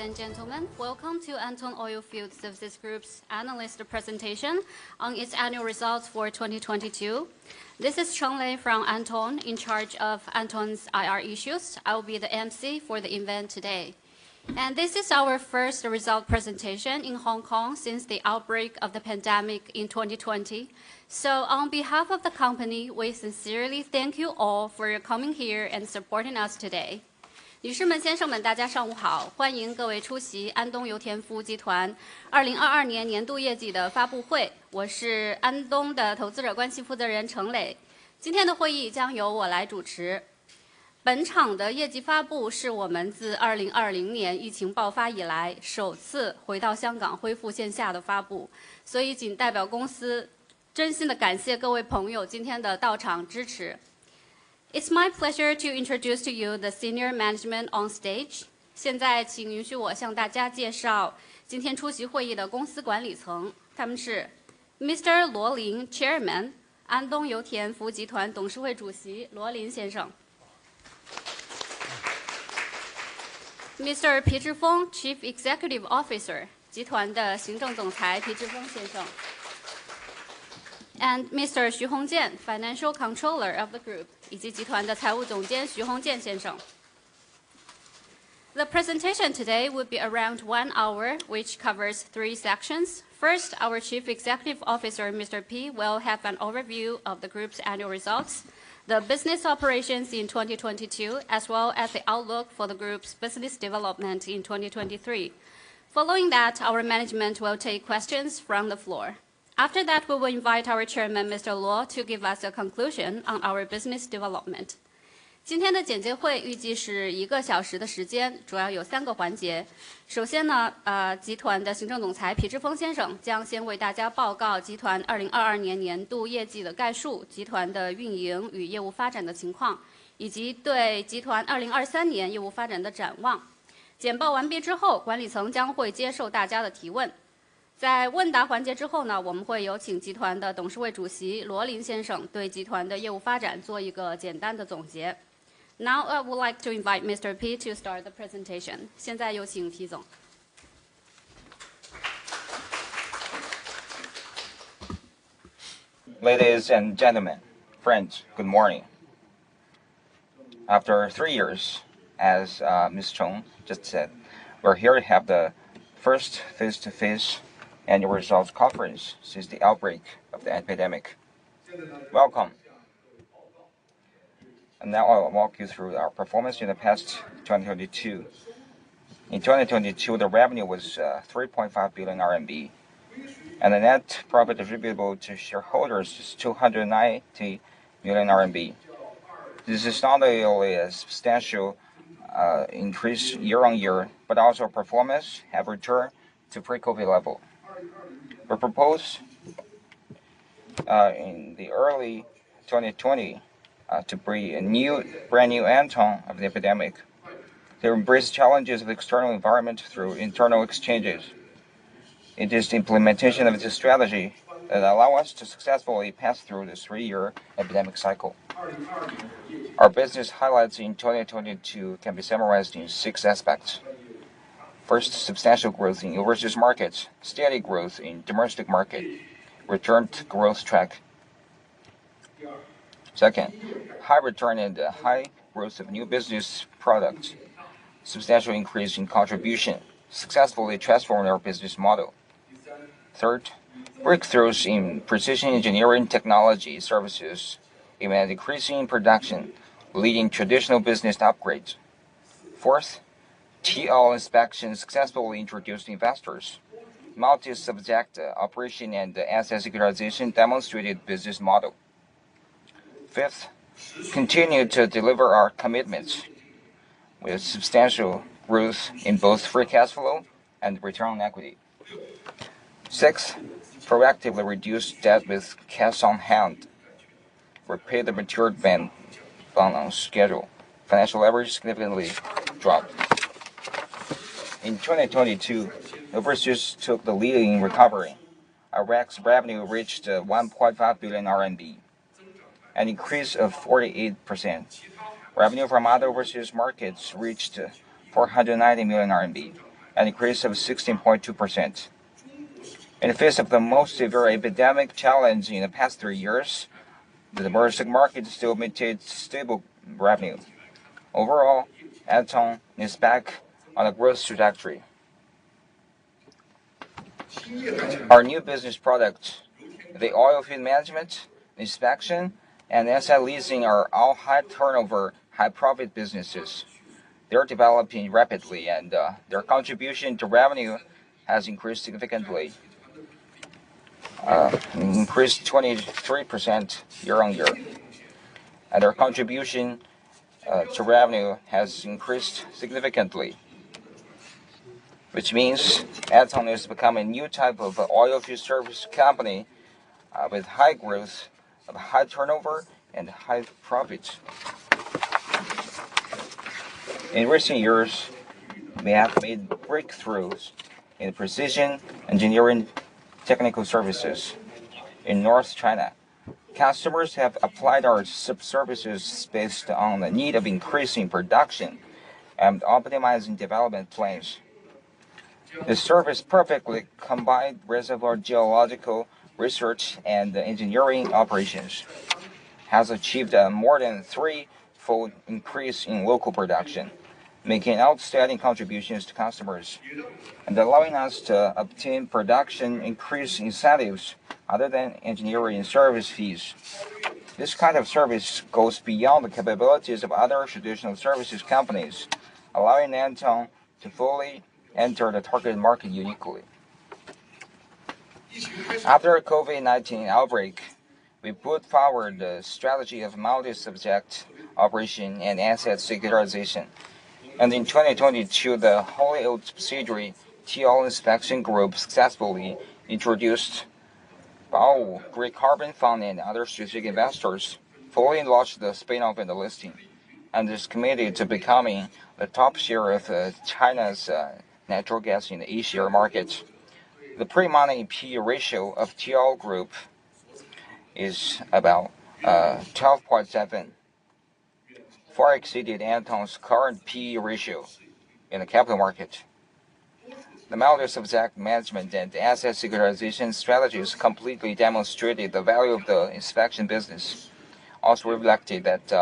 Okay. Good morning, ladies and gentlemen. Welcome to Anton Oilfield Services Group's analyst presentation on its annual results for 2022. This is Cheng Lei from Anton, in charge of Anton's IR issues. I will be the MC for the event today. This is our first result presentation in Hong Kong since the outbreak of the pandemic in 2020. On behalf of the company, we sincerely thank you all for your coming here and supporting us today. Ladies and gentlemen, good morning. Welcome to Anton Oilfield Services Group's annual results presentation for 2022. I am Cheng Lei, Anton's investor relations manager, and I will be hosting today's event. This is the first face-to-face annual results conference we have held since the pandemic outbreak in 2020. On behalf of the company, I would like to sincerely thank all of you for your support in attending today. It's my pleasure to introduce to you the senior management on stage. Please allow me to introduce the company's management team attending the meeting today. They are Mr. Luo Lin, Chairman. Anton Oilfield Services Group Board of Directors Chairman, Mr. Luo Lin. Mr. Pi Zhifeng, Chief Executive Officer. The Group's Executive Director, Mr. Pi Zhifeng. Mr. Xu Hongjian, Financial Controller of the Group. As well as the Group's Chief Financial Officer, Mr. Xu Hongjian. The presentation today will be around 1 hour, which covers 3 sections. First, our Chief Executive Officer, Mr. Pi, will have an overview of the group's annual results, the business operations in 2022, as well as the outlook for the group's business development in 2023. Following that, our management will take questions from the floor. After that, we will invite our Chairman, Mr. Luo, to give us a conclusion on our business development. Today's briefing is expected to last one hour and consists of three main sections. First, the Group's Executive Director, Mr. Pi Zhifeng, will provide an overview of the Group's annual results for 2022, discuss the Group's operations and business development, and outline prospects for the Group's business development in 2023. After the briefing, the management team will take questions from the audience. Following the Q&A session, we will invite the Group's Chairman, Mr. Luo Lin, to provide a brief summary of the Group's business development. I would like to invite Mr. Pi to start the presentation. Please welcome Mr. Pi. Ladies and gentlemen, friends, good morning. After three years, as Ms. Cheng just said, we're here to have the first face-to-face annual results conference since the outbreak of the epidemic. Welcome. Now I will walk you through our performance in the past 2022. In 2022, the revenue was 3.5 billion RMB, and the net profit attributable to shareholders is 290 million RMB. This is not only a substantial increase year-over-year, but also our performance have returned to pre-COVID level. We proposed in the early 2020 to bring a brand new Anton of the epidemic to embrace challenges of external environment through internal exchanges. It is the implementation of this strategy that allow us to successfully pass through the three-year epidemic cycle. Our business highlights in 2022 can be summarized in six aspects. First, substantial growth in overseas markets, steady growth in domestic market, return to growth track. Second, high return and high growth of new business products, substantial increase in contribution, successfully transforming our business model. Third, breakthroughs in precision engineering technology services, even decreasing production, leading traditional business upgrades. Fourth, T-ALL Inspection successfully introduced investors. Multi-subject operation and asset securitization demonstrated business model. Fifth, continue to deliver our commitments with substantial growth in both free cash flow and return on equity. Sixth, proactively reduce debt with cash on hand. Repay the matured bank loan on schedule. Financial leverage significantly dropped. In 2022, overseas took the leading recovery. Iraq's revenue reached 1.5 billion RMB, an increase of 48%. Revenue from other overseas markets reached 490 million RMB, an increase of 16.2%. In the face of the most severe epidemic challenge in the past 3 years, the domestic market still maintained stable revenue. Overall, Anton is back on a growth trajectory. Our new business product, the oilfield management, inspection, and asset leasing are all high-turnover, high-profit businesses. They're developing rapidly, and their contribution to revenue has increased significantly. Increased 23% year-on-year. Their contribution to revenue has increased significantly, which means Anton has become a new type of oilfield service company with high growth of high turnover and high profits. In recent years, we have made breakthroughs in precision engineering technical services. In North China, customers have applied our sub-services based on the need of increasing production and optimizing development plans. The service perfectly combined reservoir geological research and engineering operations. Has achieved more than three-fold increase in local production, making outstanding contributions to customers and allowing us to obtain production increase incentives other than engineering service fees. This kind of service goes beyond the capabilities of other traditional services companies, allowing Anton to fully enter the target market uniquely. After COVID-19 outbreak, we put forward the strategy of multi-subject operation and asset securitization. In 2022, the whole subsidiary, T-ALL Inspection Group, successfully introduced Baowu Green Carbon Fund and other strategic investors, fully launched the spin-off and the listing, and is committed to becoming a top sharer of China's natural gas in the A-share market. The pre-money P/E ratio of T-ALL Group is about 12.7, far exceeded Anton's current P/E ratio in the capital market. The multi-subject management and asset securitization strategies completely demonstrated the value of the inspection business, also reflected that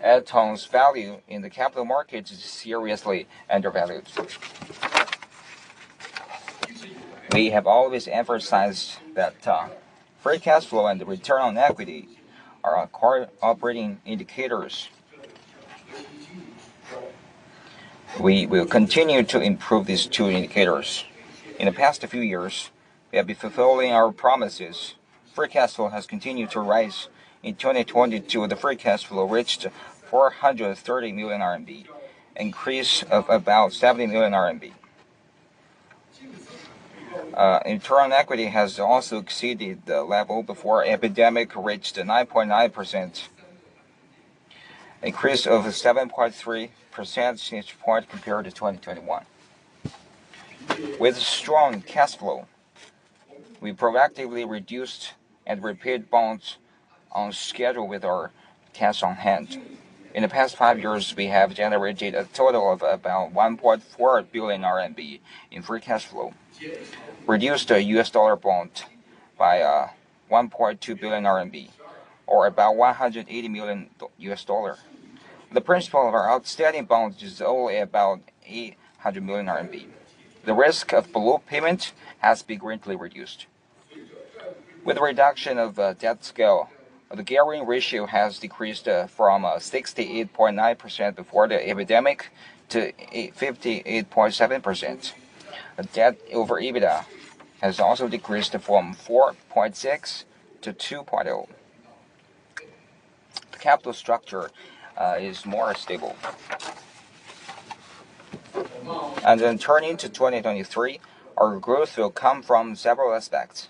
Anton's value in the capital market is seriously undervalued. We have always emphasized that free cash flow and return on equity are our core operating indicators. We will continue to improve these two indicators. In the past few years, we have been fulfilling our promises. Free cash flow has continued to rise. In 2022, the free cash flow reached 430 million RMB, increase of about 70 million. Return on equity has also exceeded the level before epidemic, reached to 9.9%, increase over 7.3% since point compared to 2021. With strong cash flow, we proactively reduced and repaid bonds on schedule with our cash on hand. In the past five years, we have generated a total of about 1.4 billion RMB in free cash flow, reduced U.S. dollar bond by 1.2 billion RMB or about $180 million. The principal of our outstanding bonds is only about 800 million RMB. The risk of below payment has been greatly reduced. With the reduction of debt scale, the gearing ratio has decreased from 68.9% before the epidemic to 58.7%. Debt over EBITDA has also decreased from 4.6 to 2.0. The capital structure is more stable. Turning to 2023, our growth will come from several aspects.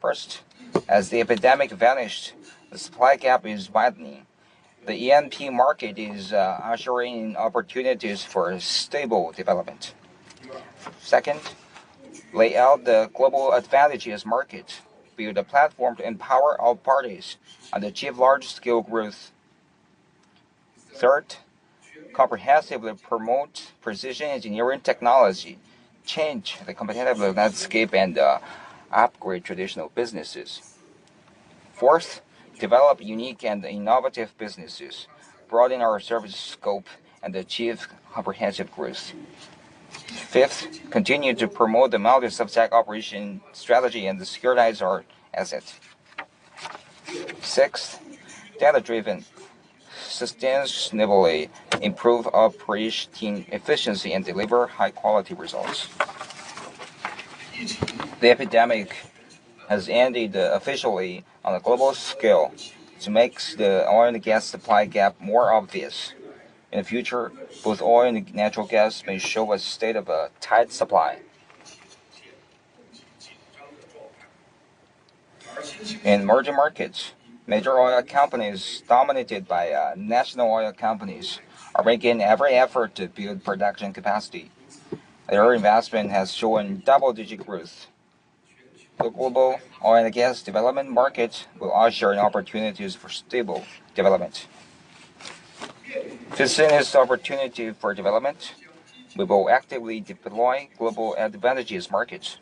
First, as the epidemic vanished, the supply gap is widening. The E&P market is assuring opportunities for stable development. Second, lay out the global advantages market. Build a platform to empower all parties and achieve large-scale growth. Third, comprehensively promote precision engineering technology, change the competitive landscape and upgrade traditional businesses. Fourth, develop unique and innovative businesses, broaden our service scope and achieve comprehensive growth. Fifth, continue to promote the multi-subject operation strategy and securitize our asset. Sixth, data-driven, sustainably improve operating efficiency and deliver high-quality results. The epidemic has ended officially on a global scale, which makes the oil and gas supply gap more obvious. In the future, both oil and natural gas may show a state of a tight supply. In emerging markets, major oil companies dominated by national oil companies are making every effort to build production capacity. Their investment has shown double-digit growth. The global oil and gas development market will assure opportunities for stable development. To seize the opportunity for development, we will actively deploy global advantages markets.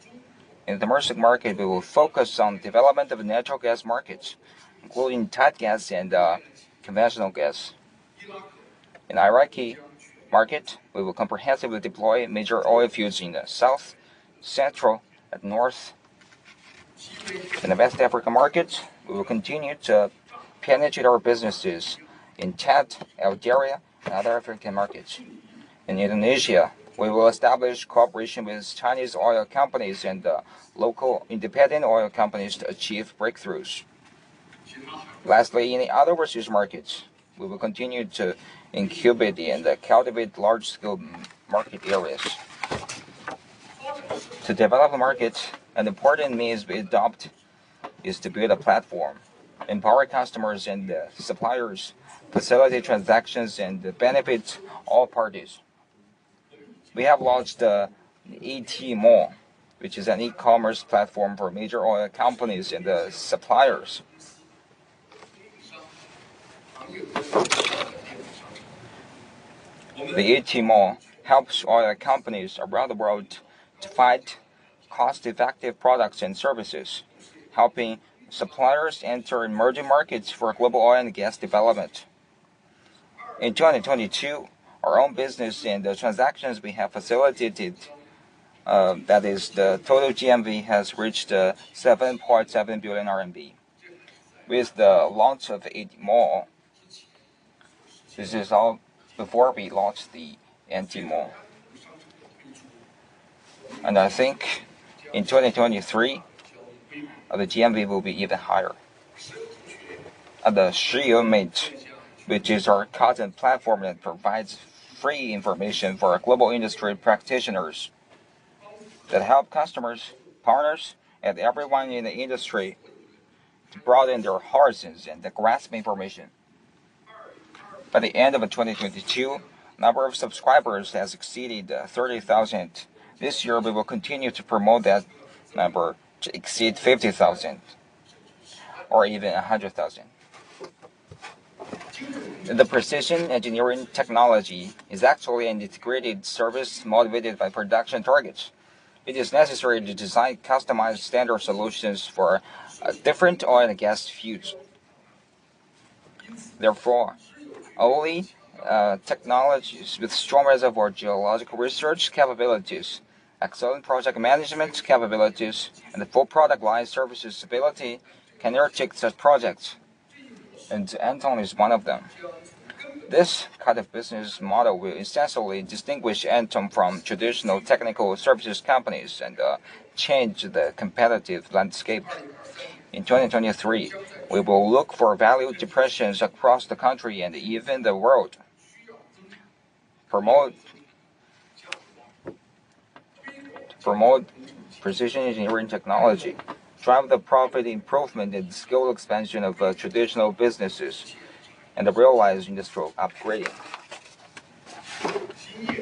In the emerging market, we will focus on development of natural gas markets, including tight gas and, conventional gas. In Iraqi market, we will comprehensively deploy major oil fields in the South, Central, and North. In the West Africa markets, we will continue to penetrate our businesses in Chad, Algeria, and other African markets. In Indonesia, we will establish cooperation with Chinese oil companies and, local independent oil companies to achieve breakthroughs. Lastly, in the other overseas markets, we will continue to incubate and cultivate large-scale market areas. To develop markets, an important means we adopt is to build a platform, empower customers and, suppliers, facilitate transactions and benefit all parties. We have launched, AT Mall, which is an e-commerce platform for major oil companies and, suppliers. The AT Mall helps oil companies around the world to find cost-effective products and services, helping suppliers enter emerging markets for global oil and gas development. In 2022, our own business and the transactions we have facilitated, that is the total GMV, has reached 7.7 billion RMB. With the launch of AT Mall, this is all before we launched the AT Mall. I think in 2023, the GMV will be even higher. The Shi You Mei, which is our content platform that provides free information for global industry practitioners that help customers, partners, and everyone in the industry to broaden their horizons and grasp information. By the end of 2022, number of subscribers has exceeded 30,000. This year, we will continue to promote that number to exceed 50,000 or even 100,000. The precision engineering technology is actually an integrated service motivated by production targets. It is necessary to design customized standard solutions for a different oil and gas fields. Therefore, only technologies with strong reservoir geological research capabilities, excellent project management capabilities, and a full product line services ability can undertake such projects, and Anton is one of them. This kind of business model will essentially distinguish Anton from traditional technical services companies and change the competitive landscape. In 2023, we will look for value depressions across the country and even the world. Promote precision engineering technology, drive the profit improvement and scale expansion of traditional businesses, and realize industrial upgrading.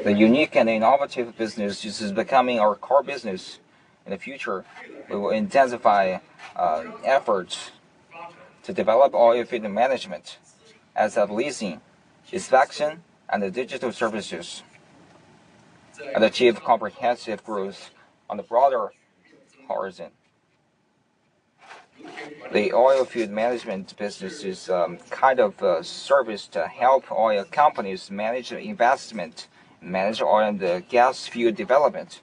The unique and innovative business is becoming our core business. In the future, we will intensify efforts to develop oilfield management as of leasing, inspection and the digital services, and achieve comprehensive growth on a broader horizon. The oilfield management business is kind of a service to help oil companies manage investment, manage oil and gas field development.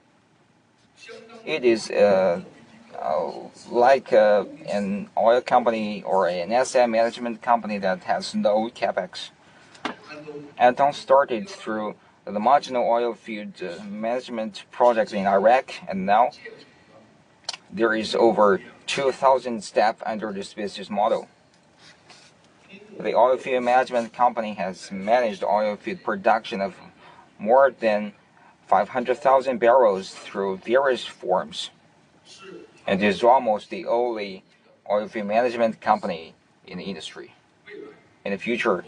It is like an oil company or an asset management company that has no CapEx. Anton started through the marginal oilfield management projects in Iraq. Now there is over 2,000 staff under this business model. The oilfield management company has managed oilfield production of more than 500,000 barrels through various forms, and is almost the only oilfield management company in the industry. In the future,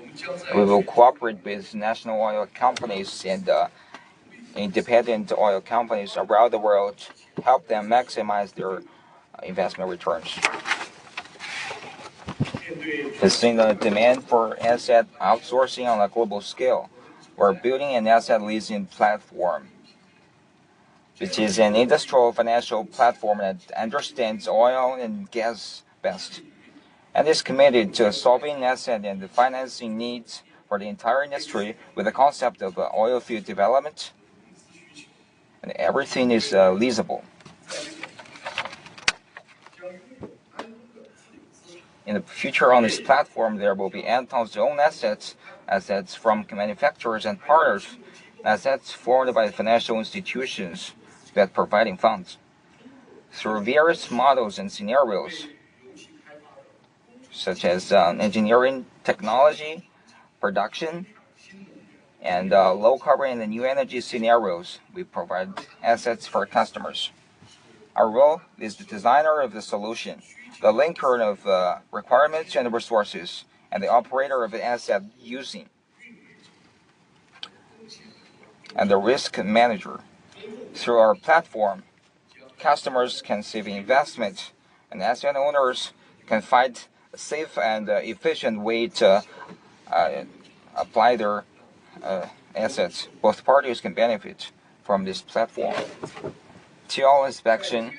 we will cooperate with national oil companies and independent oil companies around the world to help them maximize their investment returns. Considering the demand for asset outsourcing on a global scale, we're building an asset leasing platform, which is an industrial financial platform that understands oil and gas best, and is committed to solving asset and the financing needs for the entire industry with the concept of oil field development, and everything is leasable. In the future on this platform, there will be Anton's own assets from manufacturers and partners, assets funded by financial institutions that providing funds. Through various models and scenarios such as engineering, technology, production and low carbon and new energy scenarios, we provide assets for customers. Our role is the designer of the solution, the linker of requirements and resources, and the operator of the asset using, and the risk manager. Through our platform, customers can save investment, and asset owners can find a safe and efficient way to apply their assets. Both parties can benefit from this platform. T-ALL Inspection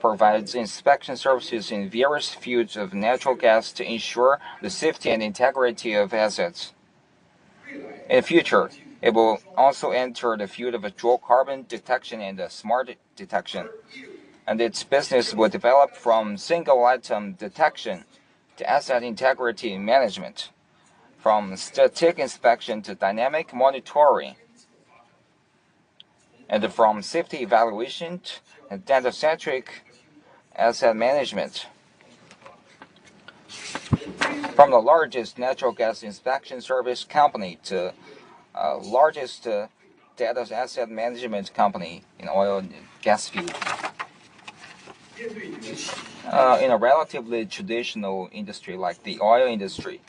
provides inspection services in various fields of natural gas to ensure the safety and integrity of assets. In future, it will also enter the field of a dual carbon detection and smart detection, and its business will develop from single item detection to asset integrity management, from static inspection to dynamic monitoring, and from safety evaluation to data-centric asset management. From the largest natural gas inspection service company to largest data asset management company in oil and gas field. In a relatively traditional industry like the oil industry,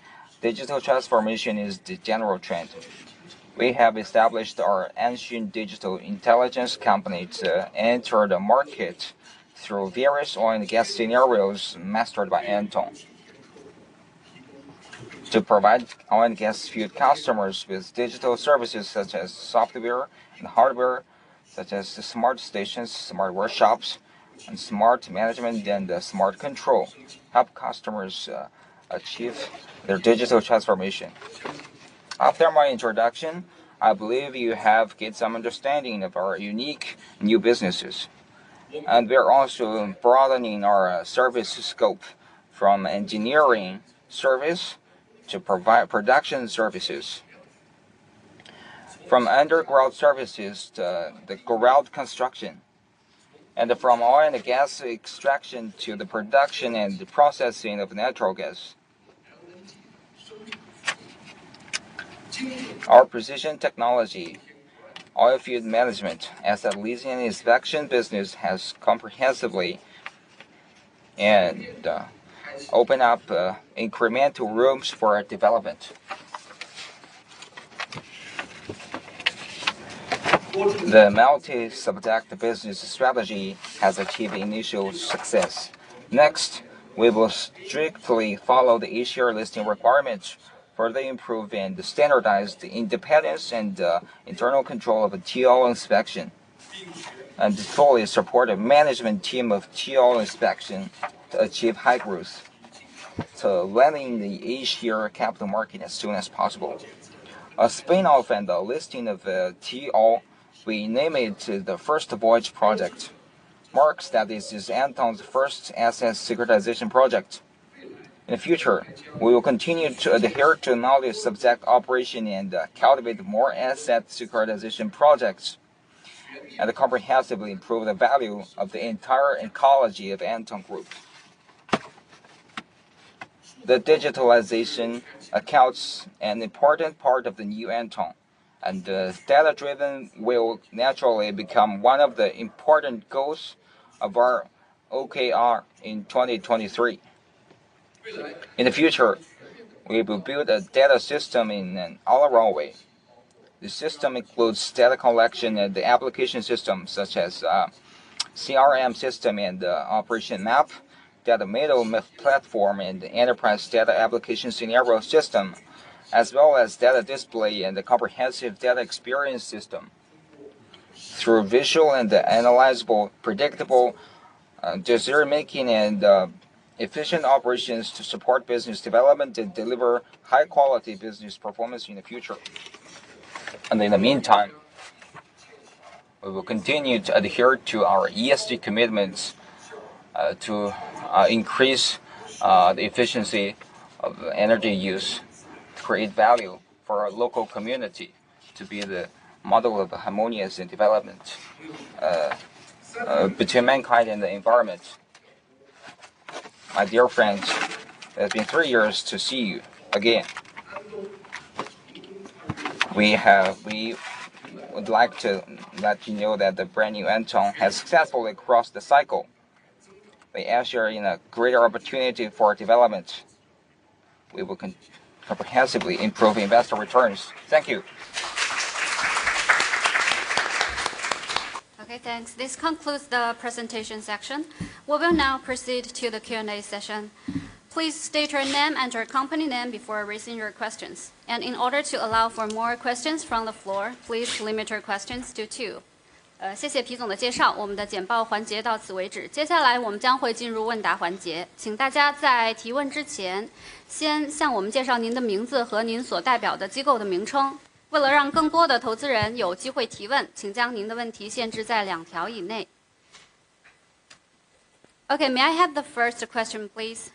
digital transformation is the general trend. We have established our Anton Digital Intelligence company to enter the market through various oil and gas scenarios mastered by Anton. To provide oil and gas field customers with digital services such as software and hardware, such as the smart stations, smart workshops and smart management and smart control. Help customers achieve their digital transformation. After my introduction, I believe you have gained some understanding of our unique new businesses. We're also broadening our service scope from engineering service to provide production services. From underground services to the ground construction, from oil and gas extraction to the production and the processing of natural gas. Our precision technology, oil field management, asset leasing, inspection business has comprehensively open up the incremental rooms for our development. The multi-subject business strategy has achieved initial success. We will strictly follow the H-share listing requirements, further improving the standardized independence and internal control of the T-ALL Inspection, and fully support a management team of T-ALL Inspection to achieve high growth, to landing the H-share capital market as soon as possible. A spin-off and the listing of the T-ALL we name it the first voyage project marks that this is Anton's first asset securitization project. In the future, we will continue to adhere to multi-subject operation and cultivate more asset securitization projects, and comprehensively improve the value of the entire ecology of Anton Group. The digitalization accounts an important part of the new Anton and data-driven will naturally become one of the important goals of our OKR in 2023. In the future, we will build a data system in an all our way. The system includes data collection and the application system such as CRM system and operation map, Data Middle Platform, and enterprise data application scenario system, as well as data display and the comprehensive data experience system. Through visual and analyzable, predictable, decision-making and efficient operations to support business development and deliver high quality business performance in the future. In the meantime, we will continue to adhere to our ESG commitments to increase the efficiency of energy use. To create value for our local community. To be the model of harmonious and development between mankind and the environment. My dear friends, it's been 3 years to see you again. We would like to let you know that the brand new Anton has successfully crossed the cycle. We ensure in a greater opportunity for development. We will comprehensively improve investor returns. Thank you. Okay, thanks. This concludes the presentation section. We will now proceed to the Q&A session. Please state your name and your company name before raising your questions. In order to allow for more questions from the floor, please limit your questions to 2. Okay, may I have the first question, please?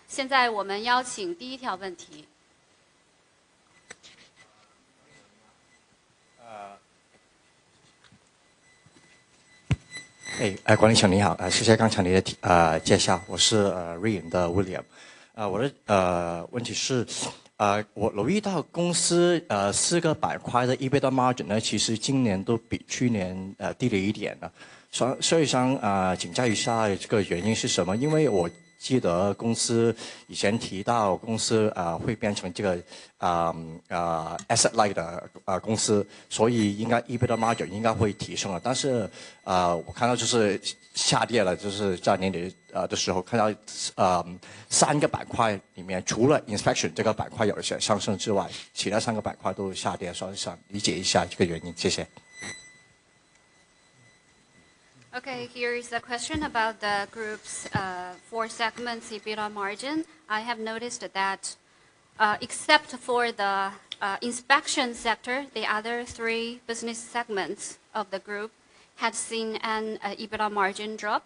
Okay, here is a question about the group's 4 segments EBITDA margin. I have noticed that, except for the inspection sector, the other 3 business segments of the group have seen an EBITDA margin drop.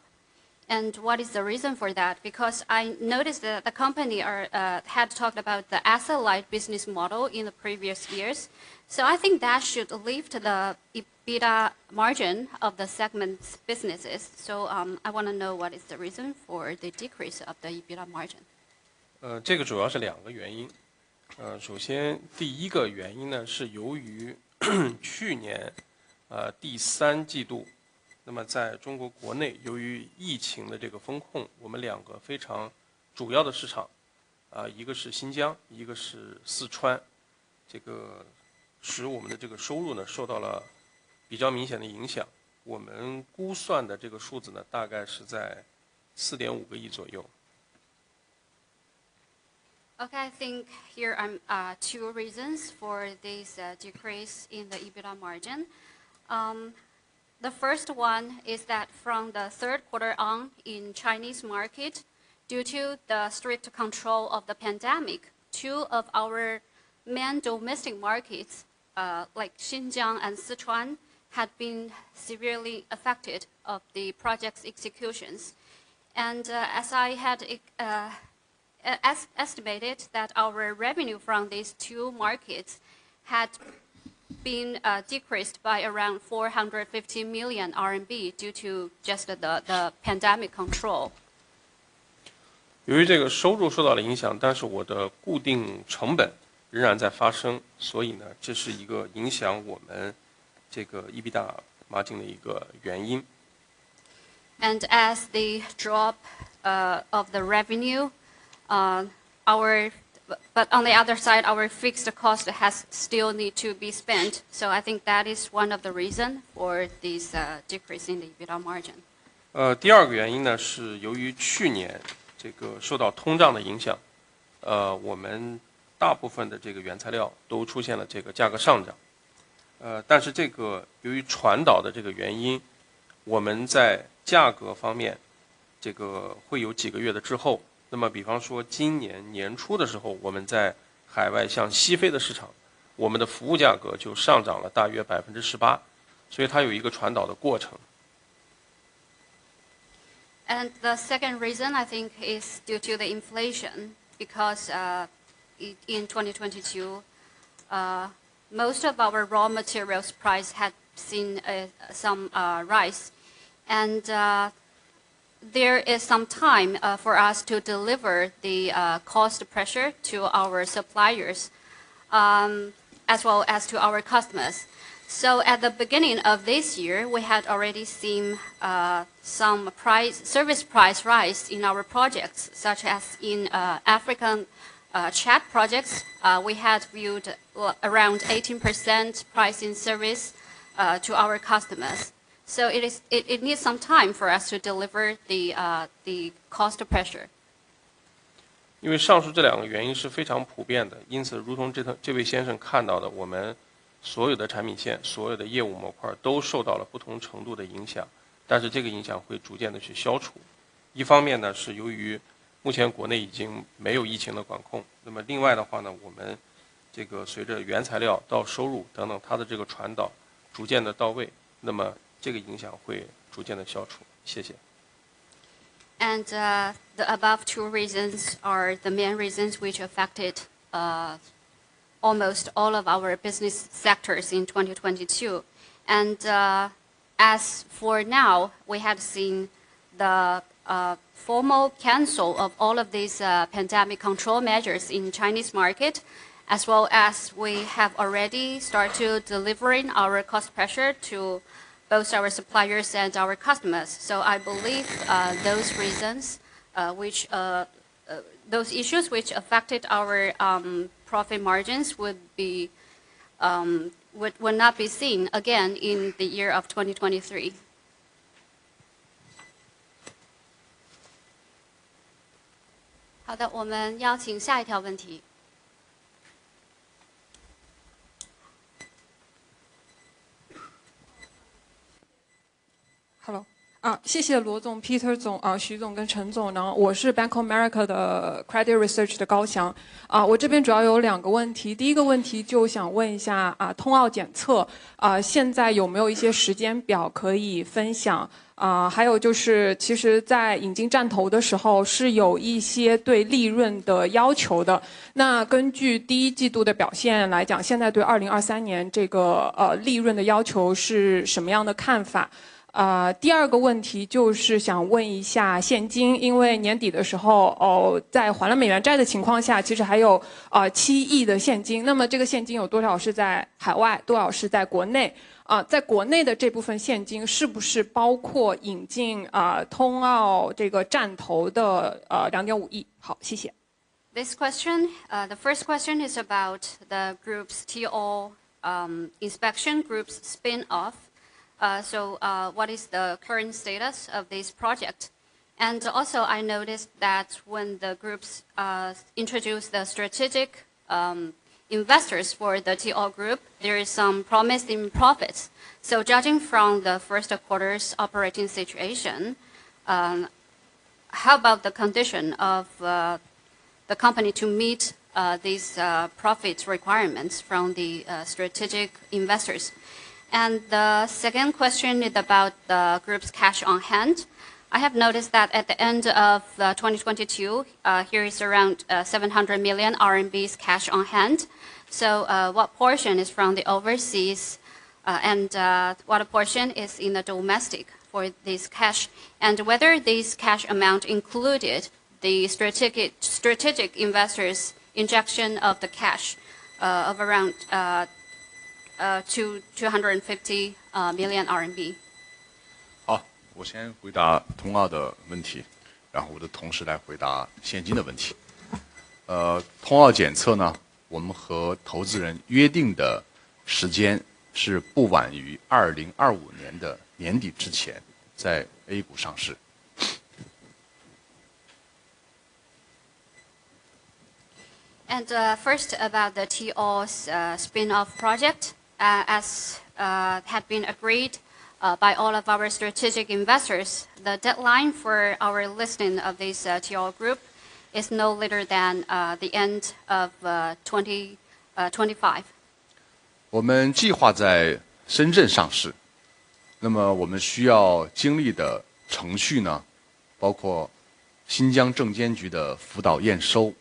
What is the reason for that? Because I noticed the company are had talked about the asset-light business model in the previous years. I think that should leave to the EBITDA margin of the segment's businesses. I wanna know what is the reason for the decrease of the EBITDA margin? 这个主要是2个原因。首先 first 个原因 呢， 是由于去年 third quarter， 那么在中国国 内， 由于疫情的这个封 控， 我们2个非常主要的市 场， 一个是 Xinjiang， 一个是 Sichuan， 这个使我们的这个收入 呢， 受到了比较明显的影响。我们估算的这个数字 呢， 大概是 在RMB 450 million 左右。Okay, I think here I'm two reasons for this decrease in the EBITDA margin. The first one is that from the third quarter on in Chinese market due to the strict control of the pandemic, two of our main domestic markets like Xinjiang and Sichuan had been severely affected of the project's executions. As I had estimated that our revenue from these two markets had been decreased by around 450 million RMB due to just the pandemic control. 由于这个收入受到了影 响， 但是我的固定成本仍然在发 生， 所以 呢， 这是一个影响我们这个 EBITDA margin 的一个原因。As the drop of the revenue but on the other side, our fixed cost has still need to be spent. I think that is one of the reason or these decrease in the EBITDA margin. 第二个原因 呢， 是由于去年这个受到通胀的影 响， 我们大部分的这个原材料都出现了这个价格上涨，由于传导的这个原 因， 我们在价格方面这个会有几个月的滞后。比方说今年年初的时 候， 我们在海外像西非的市 场， 我们的服务价格就上涨了大约 18%， 它有一个传导的过程。The second reason I think is due to the inflation. In 2022, most of our raw materials price had seen some rise. There is some time for us to deliver the cost pressure to our suppliers as well as to our customers. At the beginning of this year, we had already seen some price, service price rise in our projects such as in African Chad projects. We had viewed around 18% price in service to our customers. It needs some time for us to deliver the cost pressure. 因为上述这两个原因是非常普遍 的， 因此如同这-这位先生看到 的， 我们所有的产品 线， 所有的业务模块都受到了不同程度的影 响， 但是这个影响会逐渐地去消除。一方面 呢， 是由于目前国内已经没有疫情的管 控， 那么另外的话 呢， 我们这个随着原材料到收入等 等， 它的这个传导逐渐地到 位， 那么这个影响会逐渐地消除。谢谢。The above two reasons are the main reasons which affected almost all of our business sectors in 2022. As for now, we have seen the formal cancel of all of these pandemic control measures in Chinese market as well as we have already start to delivering our cost pressure to both our suppliers and our customers. I believe those reasons which, those issues which affected our profit margins would be, would not be seen again in the year of 2023. 好 的， 我们邀请下一条问题。Hello。啊谢谢罗总、Peter 总、啊徐总跟陈总呢。我是 Bank of America 的 Credit Research 的高翔。啊我这边主要有两个问 题， 第一个问题就想问一 下， 啊通奥检 测， 啊现在有没有一些时间表可以分 享？ 啊还有就是其实在引进站投的时候是有一些对利润的要求 的， 那根据第一季度的表现来 讲， 现在对2023年这个呃利润的要求是什么样的看法？啊第二个问题就是想问一下现 金， 因为年底的时候 哦， 在还了美元债的情况 下， 其实还有啊七亿的现 金， 那么这个现金有多少是在海 外， 多少是在国 内， 啊在国内的这部分现金是不是包括引进啊通奥这个站投的呃两点五 亿？ 好， 谢谢。This question, the first question is about the Group's T-ALL Inspection Group spin-off. What is the current status of this project? I noticed that when the Group introduce the strategic investors for the T-ALL Group, there is some promise in profits. Judging from the first quarter's operating situation, how about the condition of the Company to meet these profits requirements from the strategic investors? The second question is about the Group's cash on hand. I have noticed that at the end of the 2022, here is around 700 million RMB cash on hand. What portion is from the overseas and what portion is in the domestic for this cash? Whether this cash amount included the strategic investors injection of the cash of around RMB 250 million. 好， 我先回答通奥的问 题， 然后我的同事来回答现金的问题。呃， 通奥检测 呢， 我们和投资人约定的时间是不晚于2025年的年底之前在 A 股上市。First about the T-ALL's spin-off project. As have been agreed by all of our strategic investors, the deadline for our listing of this T-ALL Group is no later than the end of 2025. 我们计划在深圳上 市， 我们需要经历的程序包括 CSRC Xinjiang Bureau 的辅导验 收，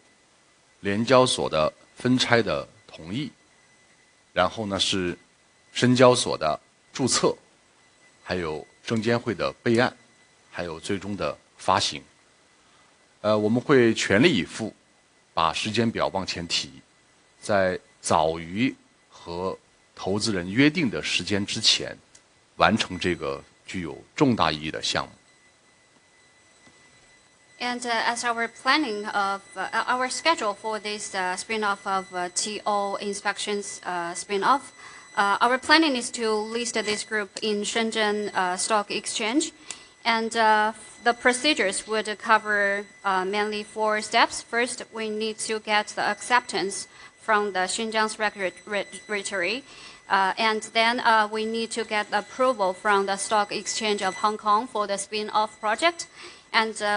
Stock Exchange of Hong Kong 的分拆的同意，是 Shenzhen Stock Exchange 的注 册， 还有 CSRC 的备 案， 还有最终的发行。我们会全力以 赴， 把时间表往前 提， 在早于和投资人约定的时间之前完成这个具有重大意义的项目。As our planning of our schedule for this spin-off of T-ALL Inspection. Our planning is to list this group in Shenzhen Stock Exchange. The procedures would cover mainly four steps. First, we need to get the acceptance from the Xinjiang regulatory authority. We need to get approval from the Stock Exchange of Hong Kong for the spin-off project.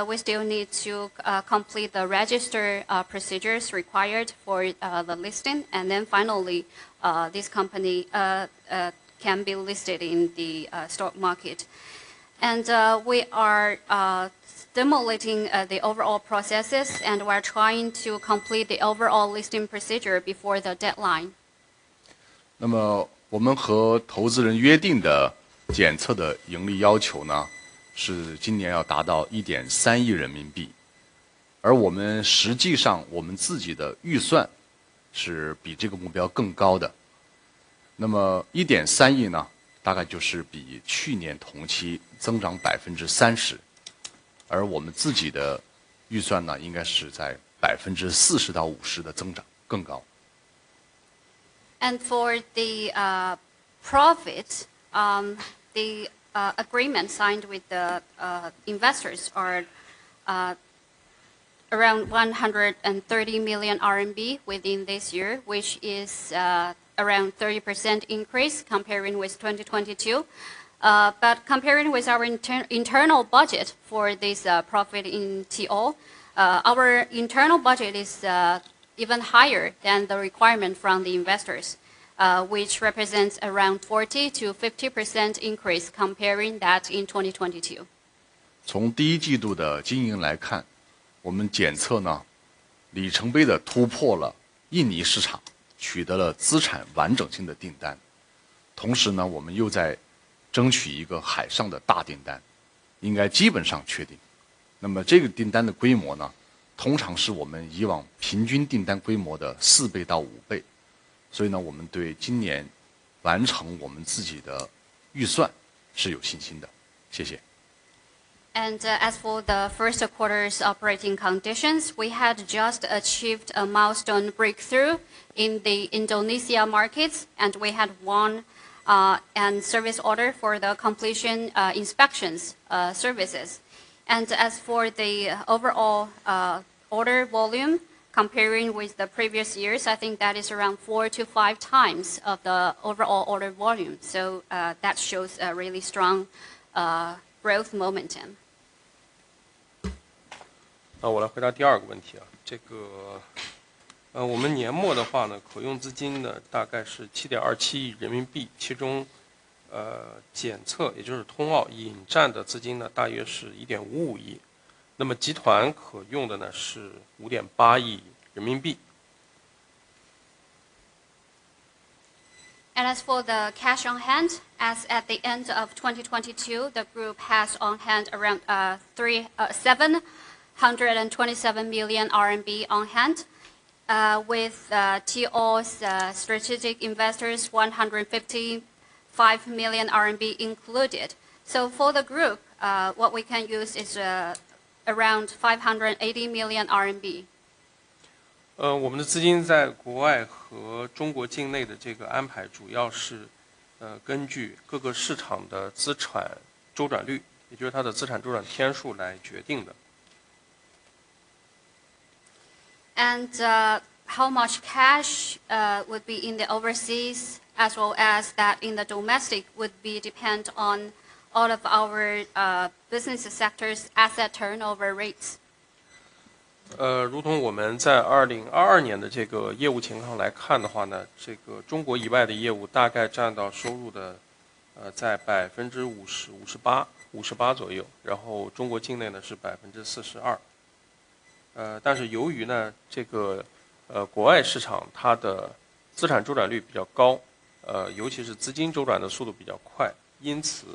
We still need to complete the register procedures required for the listing. Finally, this company can be listed in the stock market. We are stimulating the overall processes and we are trying to complete the overall listing procedure before the deadline. 那么我们和投资人约定的检测的盈利要求 呢， 是今年要达到一点三亿人民 币， 而我们实际上我们自己的预算是比这个目标更高的。那么一点三亿 呢， 大概就是比去年同期增长百分之三十。而我们自己的预算 呢， 应该是在百分之四十到五十的增长更高。For the profit, the agreement signed with the investors are around 130 million RMB within this year, which is around 30% increase comparing with 2022. Comparing with our internal budget for this profit in T-ALL, our internal budget is even higher than the requirement from the investors, which represents around 40%-50% increase comparing that in 2022. 从第一季度的经营来 看， 我们检测 呢， 里程碑地突破了印尼市 场， 取得了资产完整性的订单。同时 呢， 我们又在争取一个海上的大订 单， 应该基本上确定。那么这个订单的规模 呢， 通常是我们以往平均订单规模的四倍到五倍。所以 呢， 我们对今年完成我们自己的预算是有信心的。谢谢。As for the first quarter's operating conditions, we had just achieved a milestone breakthrough in the Indonesia markets and we had won, and service order for the completion, inspections, services. As for the overall, order volume comparing with the previous years, I think that is around four to five times of the overall order volume. That shows a really strong, growth momentum. 那我来回答第二个问题 啊， 这 个... 呃， 我们年末的话 呢， 可用资金呢大概是七点二七亿人民 币， 其 中， 呃， 检测也就是通奥引战的资金 呢， 大约是一点五五 亿， 那么集团可用的呢是五点八亿人民币。As for the cash on hand, as at the end of 2022, the group has on hand around 727 million RMB on hand. With T-ALL's strategic investors 155 million RMB included. For the group, what we can use is around 580 million RMB. 我们的资金在国外和中国境内的这个安 排, 主要 是, 根据各个市场的资产周转 率, 也就是它的资产周转天数来决定 的. How much cash would be in the overseas as well as that in the domestic would be depend on all of our business sectors asset turnover rates. 呃， 如同我们在2022年的这个业务情况来看的话 呢， 这个中国以外的业务大概占到收入 的， 呃， 在百分之五十--五十 八， 五十八左 右， 然后中国境内呢是百分之四十二。呃， 但是由于 呢， 这 个， 呃， 国外市场它的资产周转率比较 高， 呃， 尤其是资金周转的速度比较快。因此，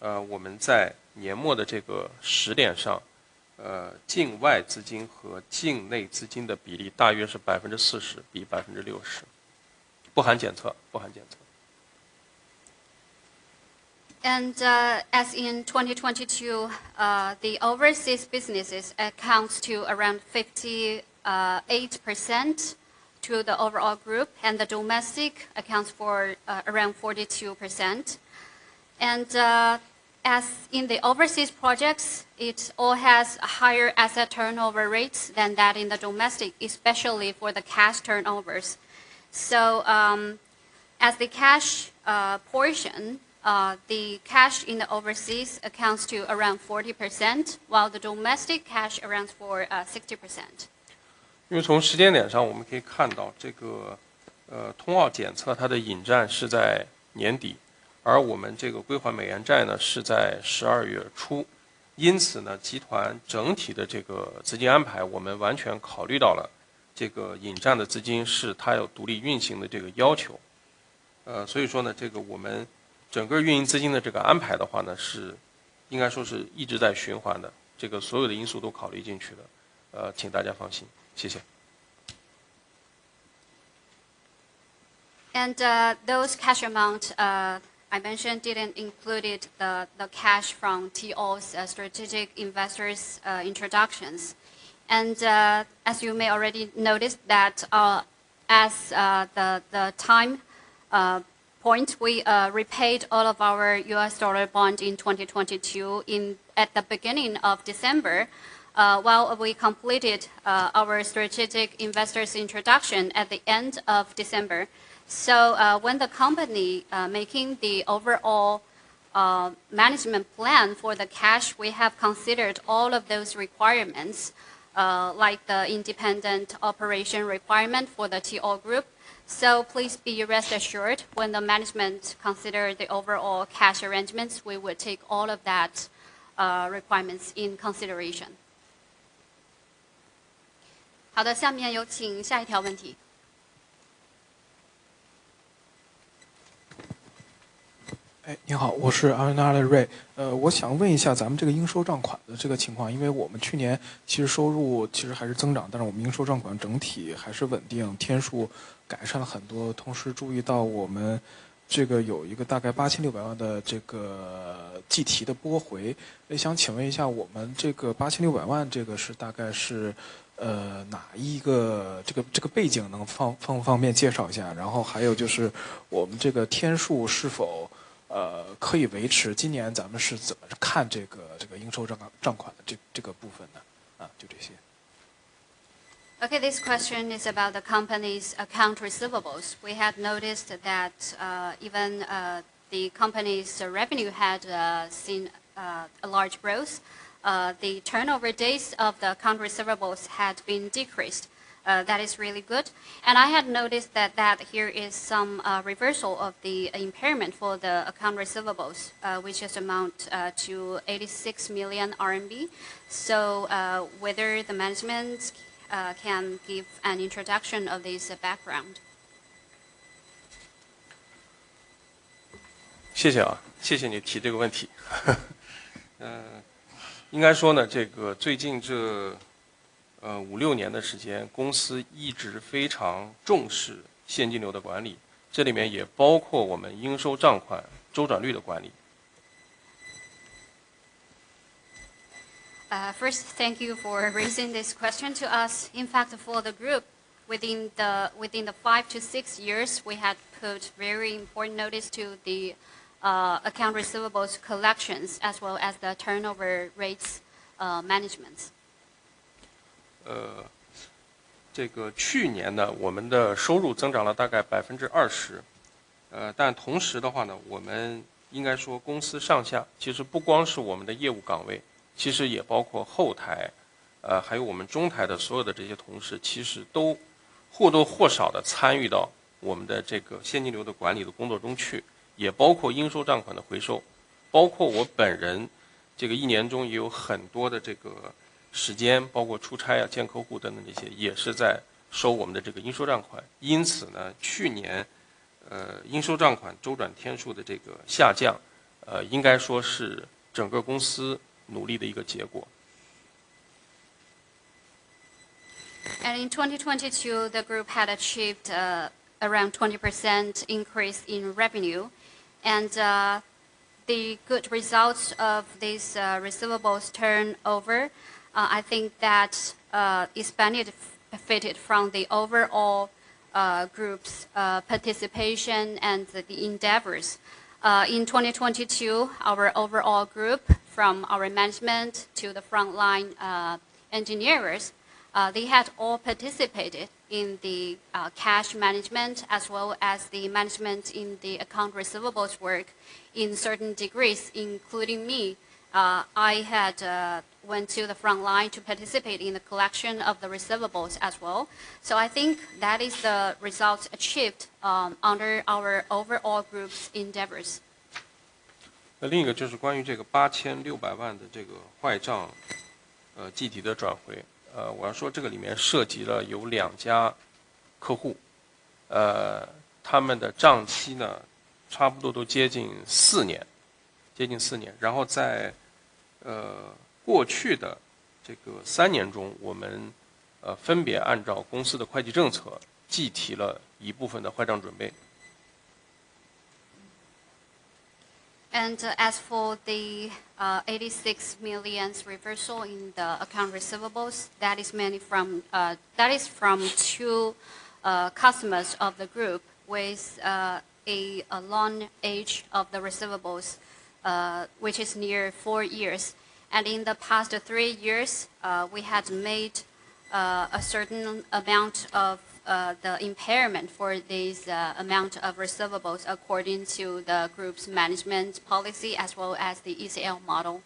呃， 我们在年末的这个时点上呃境外资金和境内资金的比例大约是百分之四十比百分之六 十， 不含检 测， 不含检测。As in 2022, the overseas businesses accounts to around 58% to the overall group and the domestic accounts for around 42%. As in the overseas projects, it all has a higher asset turnover rates than that in the domestic, especially for the cash turnovers. As the cash portion, the cash in the overseas accounts to around 40%, while the domestic cash around for 60%. 因为从时间点上我们可以看 到， 这个呃通奥检测它的引战是在年底，而我们这个归还美元债 呢， 是在十二月初。因此 呢， 集团整体的这个资金安 排， 我们完全考虑到了这个引战的资金是它要独立运行的这个要求。呃所以说 呢， 这个我们整个运营资金的这个安排的话 呢， 是应该说是一直在循环 的， 这个所有的因素都考虑进去了。呃请大家放心。谢谢。Those cash amount I mentioned didn't included the cash from T-ALL's strategic investors introductions. As you may already noticed that as the time point, we repaid all of our US dollar bond in 2022 at the beginning of December, while we completed our strategic investors introduction at the end of December. When the company making the overall management plan for the cash, we have considered all of those requirements, like the independent operation requirement for the T-ALL Group. Please be rest assured when the management consider the overall cash arrangements, we will take all of that requirements in consideration. 好的，下面有请下一条问题。哎， 你 好， 我是阿瑞。呃我想问一下咱们这个应收账款的这个情 况， 因为我们去年其实收入其实还是增 长， 但是我们应收账款整体还是稳 定， 天数改善了很多。同时注意到我们这个有一个大概八千六百万的这个计提的拨回。想请问一 下， 我们这个八千六百万这个是大概是 呃， 哪一个这 个， 这个背景能 方， 方， 方便介绍一下。然后还有就是我们这个天数是否 呃， 可以维 持， 今年咱们是怎么看这 个， 这个应收 账， 账款的 这， 这个部分的。啊， 就这些。Okay, this question is about the company's account receivables. We had noticed that, even, the company's revenue had seen a large growth, the turnover days of the account receivables had been decreased. That is really good. I had noticed that here is some reversal of the impairment for the account receivables, which is amount to 86 million RMB. Whether the management can give an introduction of this background? 谢 谢，谢 谢你提这个问题。应该 说，最 近这 5-6 年的时 间，公 司一直非常重视现金流的管 理，这 里面也包括我们应收账款周转率的管理。First thank you for raising this question to us. In fact, for the group within the 5 to 6 years, we had put very important notice to the account receivables collections as well as the turnover rates management. 这个去年 呢， 我们的收入增长了大概 20%， 同时的话 呢， 我们应该说公司上下其实不光是我们的业务岗 位， 其实也包括后 台， 还有我们中台的所有的这些同 事， 其实都或多或少地参与到我们的这个现金流的管理的工作中 去， 也包括应收账款的回 收， 包括我本人这个 one year 中也有很多的这个时 间， 包括出 差， 见客户等等这 些， 也是在收我们的这个应收账款。去年应收账款周转天数的这个下 降， 应该说是整个公司努力的一个结果。In 2022, the group had achieved around 20% increase in revenue and the good results of this receivables turn over. I think that expanded fitted from the overall group's participation and the endeavors. In 2022, our overall group from our management to the front line engineers, they had all participated in the cash management as well as the management in the account receivables work in certain degrees, including me. I had went to the front line to participate in the collection of the receivables as well. I think that is the results achieved under our overall group's endeavors. 另一个就是关于这个 RMB 86 million 的这个坏账计提的转 回. 我要说这个里面涉及了有两家客户他们的账期呢差不多都接近4年在过去的这个3年中我们分别按照公司的会计政策计提了一部分的坏账准 备. As for the 86 million reversal in the account receivables that is mainly from that is from 2 customers of the group with a long age of the receivables which is near 4 years. In the past 3 years we had made a certain amount of the impairment for these amount of receivables according to the group's management policy as well as the ECL model.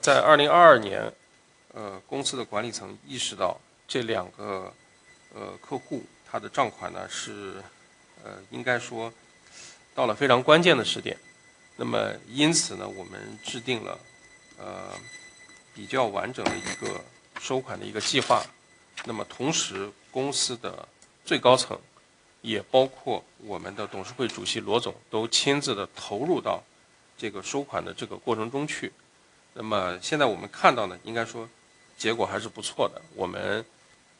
在2022年公司的管理层意识到这两个客户他的账款呢是应该说到了非常关键的 时点. 因此呢我们制定了比较完整的一个收款的一个 计划. 同时公司的最高层也包括我们的董事会主席 Luo Zong 都亲自地投入到这个收款的这个过程中 去. 现在我们看到呢应该说结果还是不错 的. 我们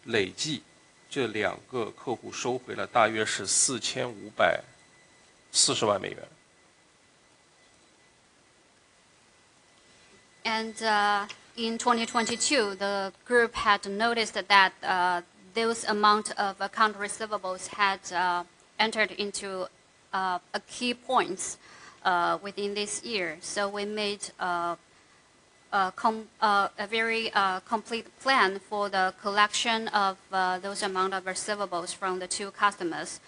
累计这两个客户收回了大约是 $45.4 million. In 2022, the group had noticed that those amount of account receivables had entered into a key points within this year. We made a very complete plan for the collection of those amount of receivables from the two customers.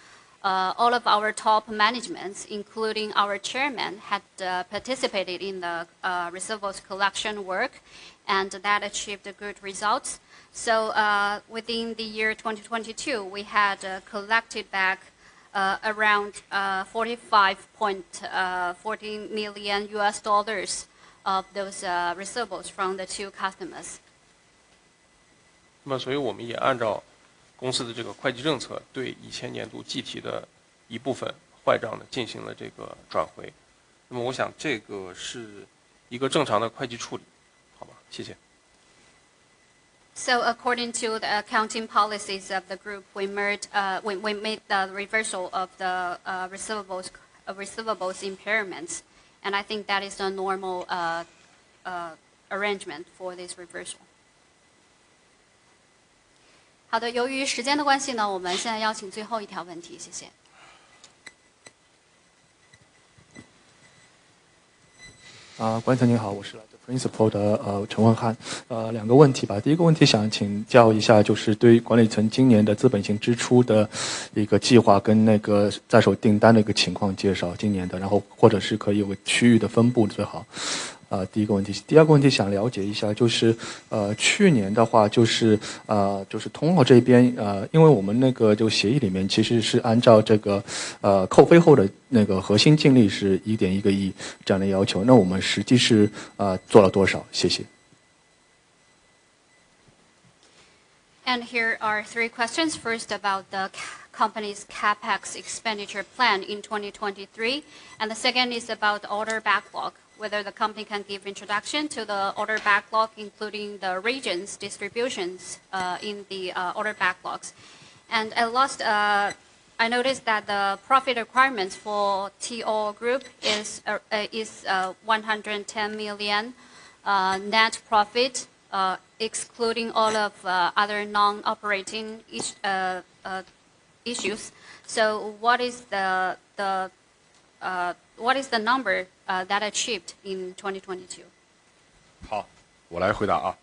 All of our top managements, including our chairman, had participated in the receivables collection work, and that achieved good results. Within the year 2022, we had collected back around $45.14 million of those receivables from the two customers. 我们也按照公司的这个会计政策对以前年度计提的一部分坏账进行了这个转 回. 我想这个是一个正常的会计处 理. 好 吧. 谢 谢. According to the accounting policies of the group, we made the reversal of the receivables impairments. I think that is the normal arrangement for this reversal. 好的由于时间的关系呢我们现在邀请最后一条问题谢谢啊管理层您好我是来自 Principal 的呃陈文翰呃两个问题吧第一个问题想请教一下就是对管理层今年的资本性支出的一个计划跟那个在手订单的一个情况介绍今年的然后或者是可以有个区域的分布最好啊第一个问题第二个问题想了解一下就是呃去年的话就是呃就是通号这边呃因为我们那个就协议里面其实是按照这个呃扣费后的那个核心净利是 1.1 个亿这样的要求那我们实际是做了多少谢谢 Here are three questions. First about the company's CapEx expenditure plan in 2023. The second is about order backlog, whether the company can give introduction to the order backlog, including the regions distributions in the order backlogs. At last, I noticed that the profit requirements for T-ALL Group is 110 million net profit, excluding all of other non-operating issues. What is the number that achieved in 2022? 好我来回答啊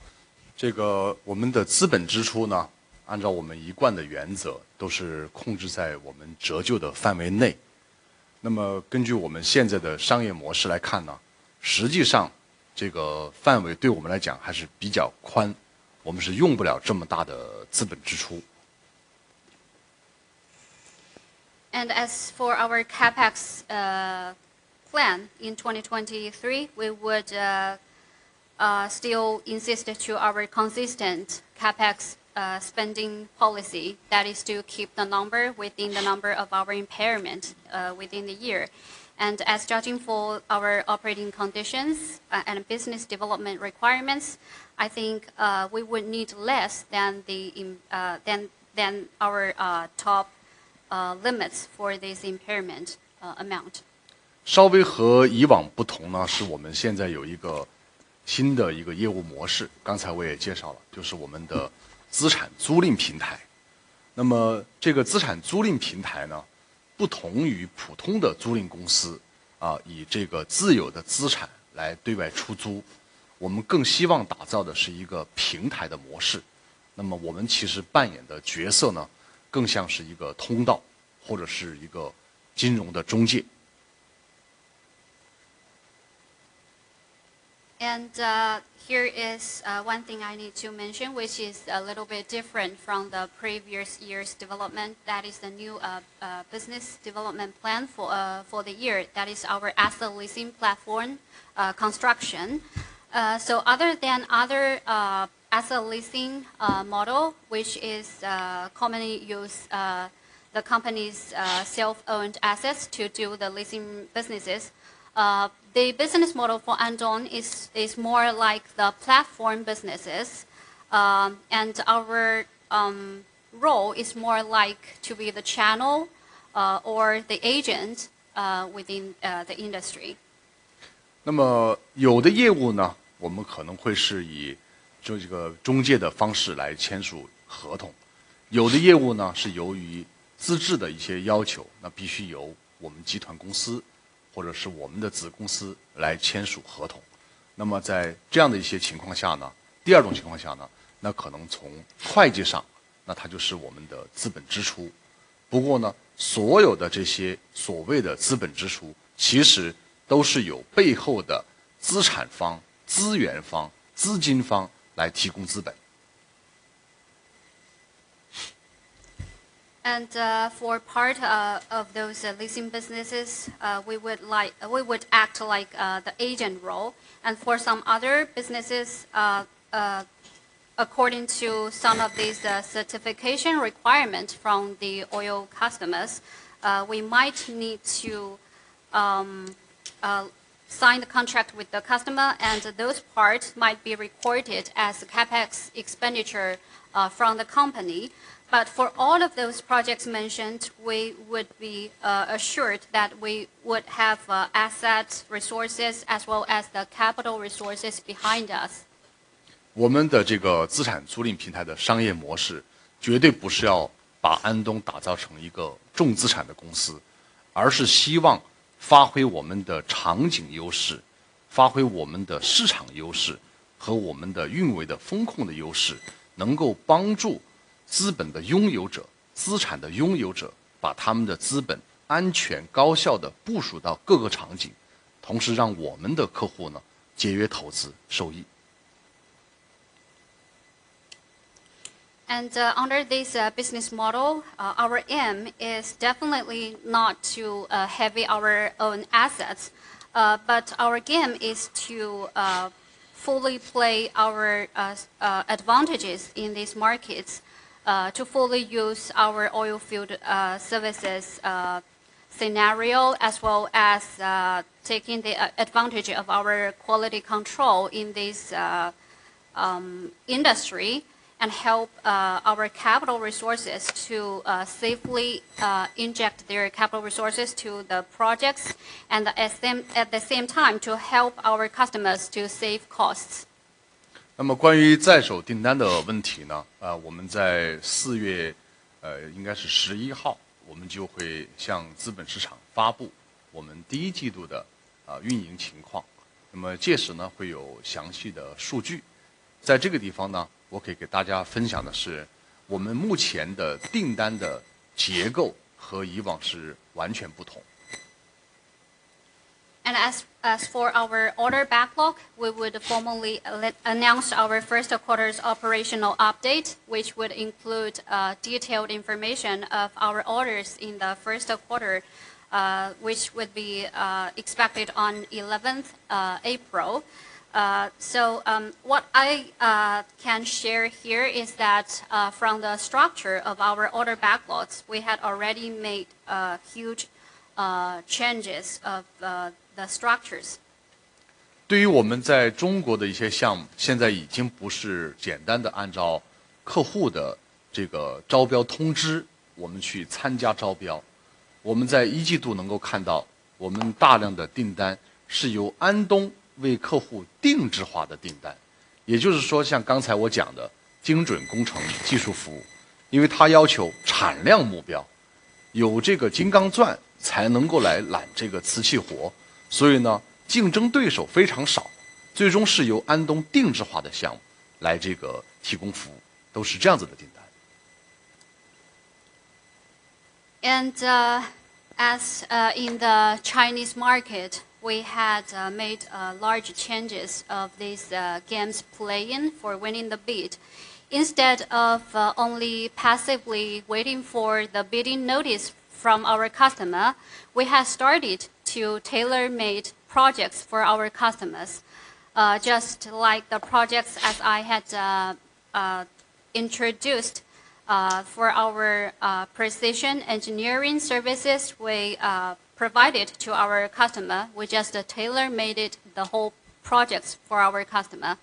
这个我们的资本支出呢按照我们一贯的原则都是控制在我们折旧的范围内那么根据我们现在的商业模式来看呢实际上这个范围对我们来讲还是比较宽我们是用不了这么大的资本支出 As for our CapEx plan in 2023, we would still insist to our consistent CapEx spending policy. That is to keep the number within the number of our impairment within the year. As judging for our operating conditions and business development requirements, I think we would need less than the than our top limits for this impairment amount. 稍微和以往不同呢是我们现在有一个新的一个业务模式刚才我也介绍了就是我们的资产租赁平台那么这个资产租赁平台呢不同于普通的租赁公司啊以这个自有的资产来对外出租我们更希望打造的是一个平台的模式那么我们其实扮演的角色呢更像是一个通道或者是一个金融的中介 Here is one thing I need to mention, which is a little bit different from the previous year's development. That is the new business development plan for the year. That is our asset leasing platform construction. Other than other asset leasing model, which is commonly used, the company's self-owned assets to do the leasing businesses. The business model for Anton is more like the platform businesses. Our role is more like to be the channel or the agent within the industry. 那么有的业务 呢， 我们可能会是以就这个中介的方式来签署合同。有的业务 呢， 是由于资质的一些要 求， 那必须由我们集团公司或者是我们的子公司来签署合同。那么在这样的一些情况下 呢， 第二种情况下 呢， 那可能从会计 上， 那它就是我们的资本支出。不过 呢， 所有的这些所谓的资本支 出， 其实都是有背后的资产方、资源方、资金方来提供资本。For part of those leasing businesses, we would act like the agent role. For some other businesses, according to some of these certification requirements from the oil customers, we might need to sign the contract with the customer, and those parts might be recorded as the CapEx expenditure from the company. For all of those projects mentioned, we would be assured that we would have assets, resources, as well as the capital resources behind us. 我们的这个资产租赁平台的商业模 式， 绝对不是要把安东打造成一个重资产的公 司， 而是希望发挥我们的场景优 势， 发挥我们的市场优势和我们的运维的风控的优 势， 能够帮助资本的拥有者、资产的拥有 者， 把他们的资本安全高效地部署到各个场 景， 同时让我们的客户呢节约投资受益。Under this business model, our aim is definitely not to heavy our own assets, but our game is to fully play our advantages in these markets, to fully use our oilfield services scenario, as well as taking the advantage of our quality control in this industry and help our capital resources to safely inject their capital resources to the projects and at the same time to help our customers to save costs. 关于在手订单的问 题, 我们在4 月, 应该是11 号, 我们就会向 Capital Market 发布我们第1季度的运营情 况, 那么届 时, 会有详细的数 据. 在这个地 方, 我可以给大家分享的是我们目前的订单的结构和以往是完全不 同. As for our order backlog, we would formally announce our first quarter's operational update, which would include detailed information of our orders in the first quarter, which would be expected on 11th April. What I can share here is that from the structure of our order backlogs, we had already made huge changes of the structures. 对于我们在中国的一些项 目， 现在已经不是简单地按照客户的这个招标通知我们去参加招标。我们在一季度能够看 到， 我们大量的订单是由安东为客户定制化的订单。也就是说像刚才我讲的精准工程技术服 务， 因为它要求产量目 标， 有这个金刚钻才能够来揽这个瓷器活。所以 呢， 竞争对手非常 少， 最终是由安东定制化的项目来这个提供服务。都是这样子的订单。In the Chinese market, we had made large changes of these games playing for winning the bid. Instead of only passively waiting for the bidding notice from our customer, we have started to tailor-made projects for our customers, just like the projects as I had introduced for our precision engineering services we provided to our customer. We just tailor-made it the whole projects for our customer.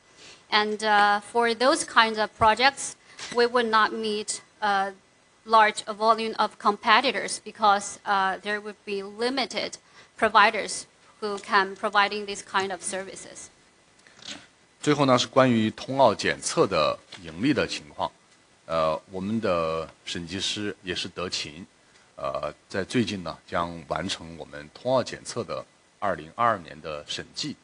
For those kinds of projects, we would not meet a large volume of competitors because there would be limited providers who can providing these kind of services. 最后 呢， 是关于通奥检测的盈利的情况。呃， 我们的审计师也是德 勤， 呃， 在最近 呢， 将完成我们通奥检测的2022年的审计。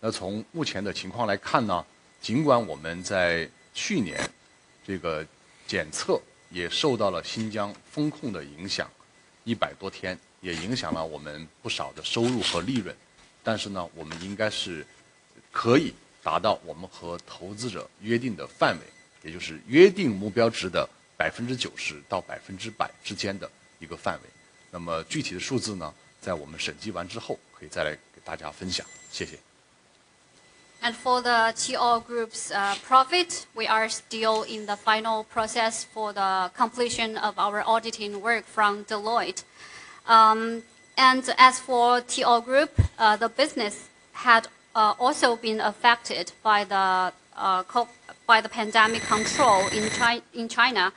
那从目前的情况来看 呢， 尽管我们在去年这个检测也受到了新疆风控的影响一百多天也影响了我们不少的收入和利润。但是 呢， 我们应该是可以达到我们和投资者约定的范 围， 也就是约定目标值的百分之九十到百分之百之间的一个范围。那么具体的数字 呢， 在我们审计完之后可以再来给大家分 享， 谢谢。For the T-ALL Group's profit, we are still in the final process for the completion of our auditing work from Deloitte. As for T-ALL Group, the business had also been affected by the pandemic control in China,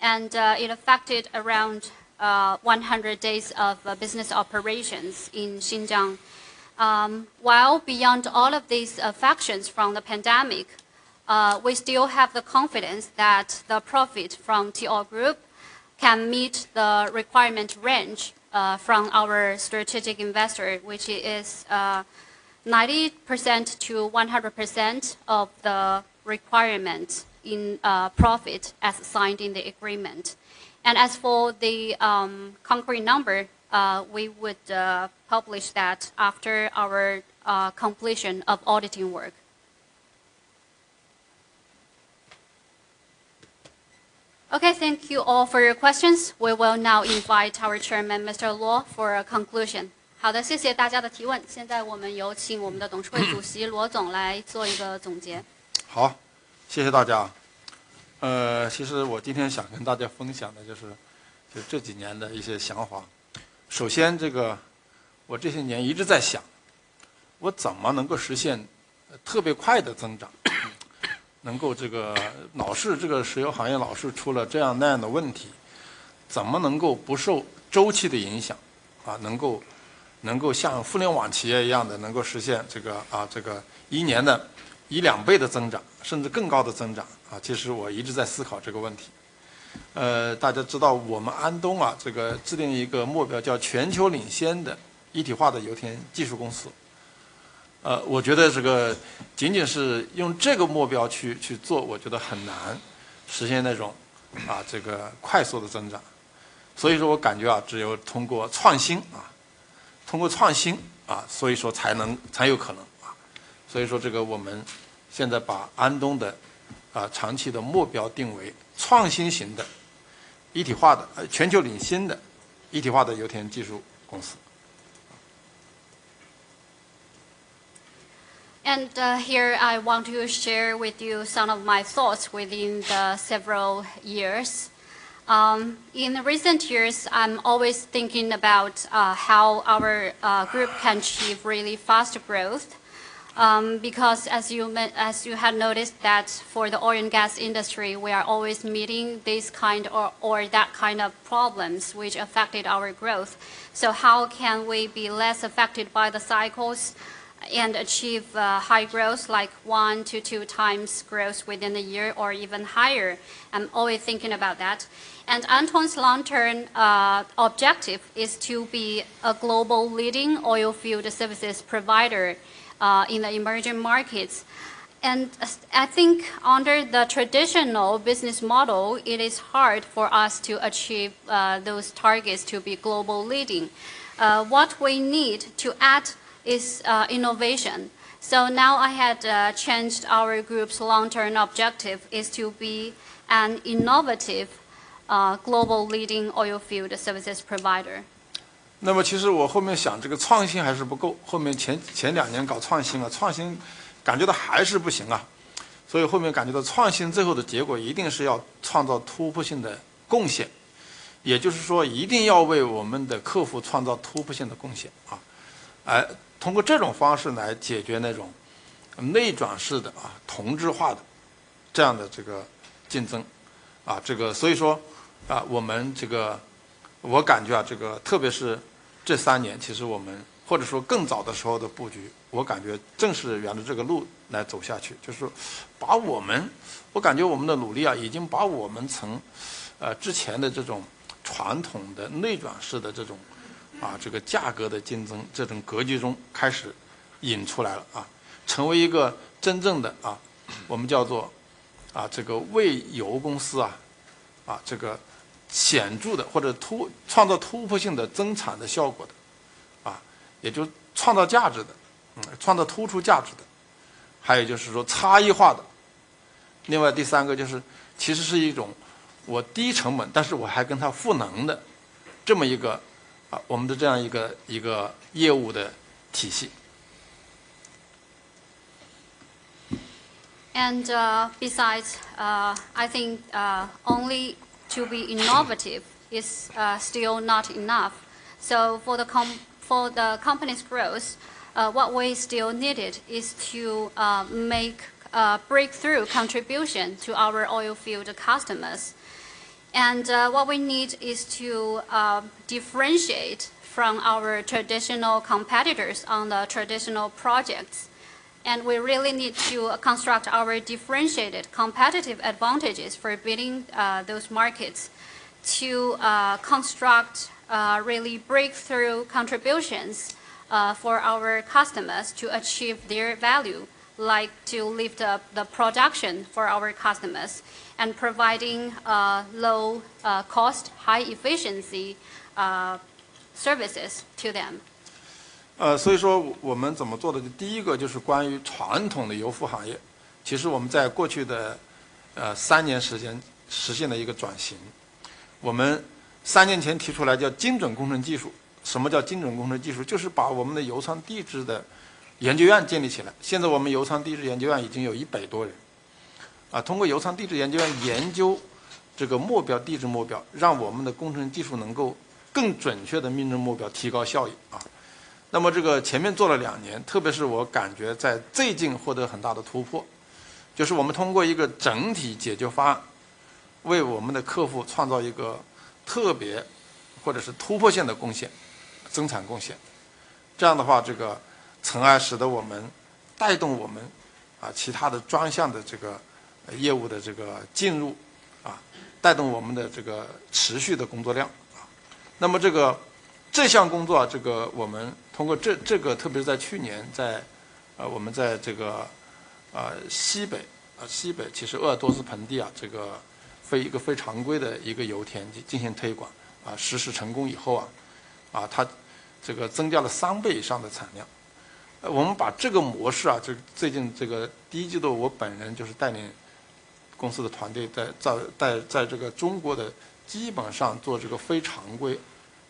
and it affected around 100 days of business operations in Xinjiang. While beyond all of these affections from the pandemic, we still have the confidence that the profit from T-ALL Group can meet the requirement range from our strategic investor, which is 90%-100% of the requirement in profit as signed in the agreement. As for the concrete number, we would publish that after our completion of auditing work. Okay, thank you all for your questions. We will now invite our Chairman, Mr. Luo, for a conclusion. 好 的， 谢谢大家的提问。现在我们有请我们的 Chairman of the Board 罗总来做一个总结。好， 谢谢大家。呃， 其实我今天想跟大家分享的就是就这几年的一些想法。首先这个我这些年一直在 想， 我怎么能够实现特别快的增长，能够这个老是这个石油行业老是出了这样那样的问 题， 怎么能够不受周期的影响 啊， 能 够， 能够像互联网企业一样 的， 能够实现这个 啊， 这个一年的以两倍的增长甚至更高的增长啊。其实我一直在思考这个问题。呃， 大家知道我们安东 啊， 这个制定一个目 标， 叫全球领先的一体化的油田技术公司。呃， 我觉得这个仅仅是用这个目标 去， 去 做， 我觉得很难实现那种 啊， 这个快速的增长。所以说我感觉 啊， 只有通过创新 啊， 通过创新 啊， 所以说才能才有可能啊。所以说这个我们现在把安东的啊长期的目标定为创新型的一体化 的， 全球领先的一体化的油田技术公司。Here I want to share with you some of my thoughts within the several years. In the recent years, I'm always thinking about how our group can achieve really faster growth. Because as you have noticed that for the oil and gas industry, we are always meeting this kind or that kind of problems which affected our growth. How can we be less affected by the cycles and achieve high growth like 1 to 2 times growth within a year or even higher? I'm always thinking about that. Anton's long-term objective is to be a global leading oilfield services provider in the emerging markets. As I think under the traditional business model, it is hard for us to achieve those targets to be global leading. What we need to add is innovation. Now I had changed our group's long-term objective is to be an innovative global leading oilfield services provider. 那么其实我后面想这个创新还是不 够， 后面 前， 前两年搞创新 了， 创新感觉到还是不行啊。所以后面感觉到创新最后的结果一定是要创造突破性的贡 献， 也就是说一定要为我们的客户创造突破性的贡献啊。来通过这种方式来解决那种内转式的 啊， 同质化的这样的这个竞争啊。这个所以说 啊， 我们这个我感觉 啊， 这个特别是这三 年， 其实我们或者说更早的时候的布 局， 我感觉正是沿着这个路来走下 去， 就是说把我们我感觉我们的努力 啊， 已经把我们从呃之前的这种传统的内转式的这种 啊， 这个价格的竞争这种格局中开始引出来了 啊， 成为一个真正的 啊， 我们叫做 啊， 这个为油公司 啊， 啊这个显著的或者突创造突破性的增产的效果的 啊， 也就创造价值 的， 创造突出价值 的， 还有就是说差异化的。另外第三个就是其实是一种我低成 本， 但是我还跟他赋能的这么一个 啊， 我们的这样一个一个业务的体系。Besides, I think only to be innovative is still not enough. For the company's growth, what we still needed is to make a breakthrough contribution to our oilfield customers. What we need is to differentiate from our traditional competitors on the traditional projects. We really need to construct our differentiated competitive advantages for building those markets to construct really breakthrough contributions for our customers to achieve their value. Like to lift up the production for our customers and providing a low cost, high efficiency services to them. 呃所以说我们怎么做的第一个就是关于传统的油服行业其实我们在过去的呃三年时间实现了一个转型我们三年前提出来叫精准工程技术什么叫精准工程技 术？ 就是把我们的油藏地质的研究院建立起来现在我们油藏地质研究院已经有一百多人啊通过油藏地质研究院研究这个目标地质目标让我们的工程技术能够更准确地命中目标提高效益啊那么这个前面做了两年特别是我感觉在最近获得很大的突破就是我们通过一个整体解决方案为我们的客户创造一个特别或者是突破性的贡献增产贡献这样的话这个尘埃使得我们带动我们啊其他的专项的这个业务的这个进入啊带动我们的这个持续的工作量啊那么这个这项工作啊这个我们通过这-这个特别在去年在啊我们在这个啊西北呃西北其实鄂尔多斯盆地啊这个非--一个非常规的一个油田进行推广啊实施成功以后啊啊它这个增加了三倍以上的产量呃我们把这个模式啊就最近这个第一季度我本人就是带领公司的团队在-在-在-在这个中国的基本上做这个非常规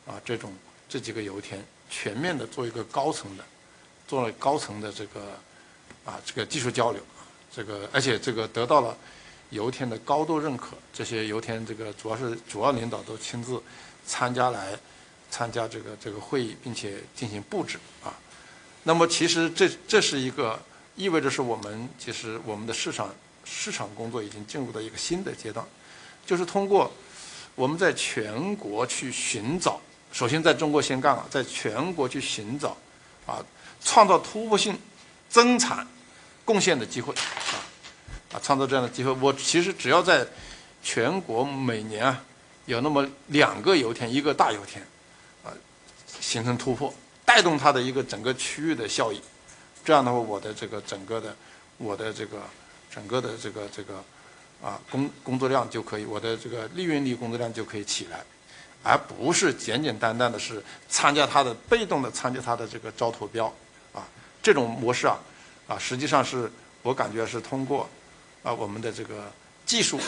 啊这种这几个油田全面地做一个高层的做了高层的这个啊这个技术交流这个而且这个得到了油田的高度认可这些油田这个主要是主要领导都亲自参加来参加这个这个会议并且进行布置啊那么其实这-这是一个意味着是我们其实我们的市场市场工作已经进入了一个新的阶段就是通过我们在全国去寻找首先在中国先干啊在全国去寻找啊创造突破性增产贡献的机会啊啊创造这样的机会我其实只要在全国每年啊有那么两个油田一个大油田啊形成突破带动它的一个整个区域的效益这样的话我的这个整个的我的这个整个的这个这个啊工-工作量就可以我的这个利润率工作量就可以起来而不是简简单单的是参加它的被动地参加它的这个招投标啊这种模式啊啊实际上是我感觉是通过啊我们的这个技术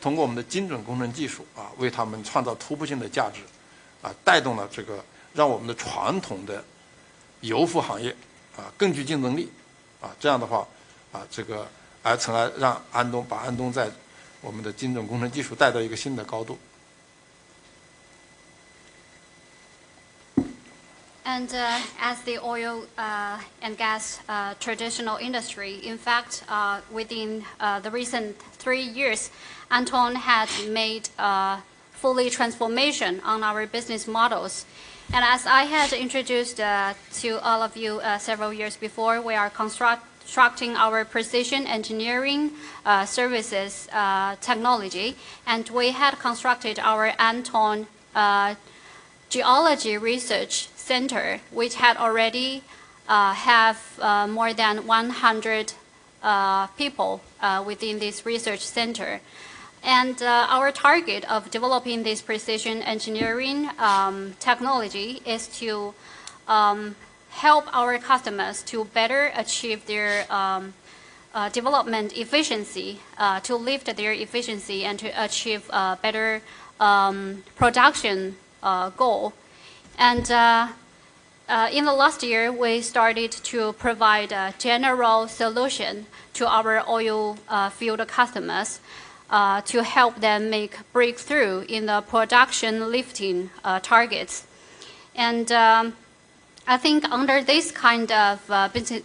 通过我们的精准工程技术啊为他们创造突破性的价值啊带动了这个让我们的传统的油服行业啊更具竞争力啊这样的话啊这个还曾还让安东把安东在我们的精准工程技术带到一个新的高度 As the oil and gas traditional industry. In fact, within the recent 3 years Anton has made a fully transformation on our business models. As I had introduced to all of you several years before, we are constructing our precision engineering services technology. We had constructed our Anton Geology Research Center which had already have more than 100 people within this research center. Our target of developing this precision engineering technology is to help our customers to better achieve their development efficiency, to lift their efficiency and to achieve a better production goal. In the last year, we started to provide a general solution to our oil field customers to help them make breakthrough in the production lifting targets. I think under this kind of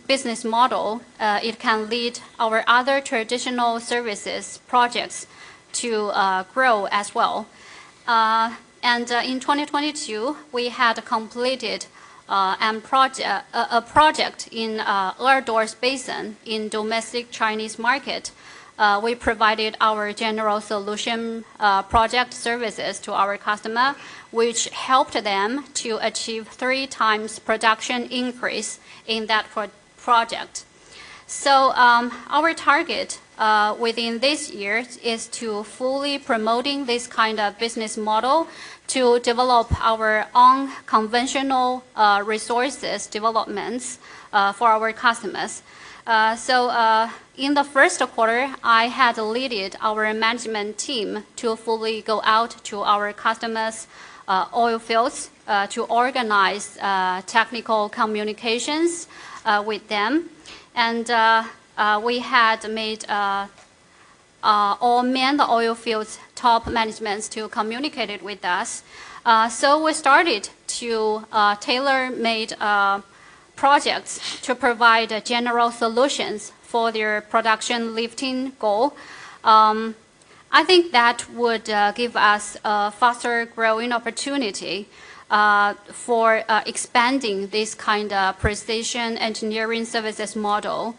business model, it can lead our other traditional services projects to grow as well. In 2022, we had completed a project in Ordos Basin in domestic Chinese market. We provided our general solution project services to our customer, which helped them to achieve three times production increase in that project. Our target within this year is to fully promoting this kind of business model to develop our own conventional resources developments for our customers. In the first quarter, I had leaded our management team to fully go out to our customers', oil fields to organize technical communications with them. We had made all man the oil fields top managements to communicated with us. We started to tailor made projects to provide general solutions for their production lifting goal. I think that would give us a faster growing opportunity for expanding this kind of precision engineering services model,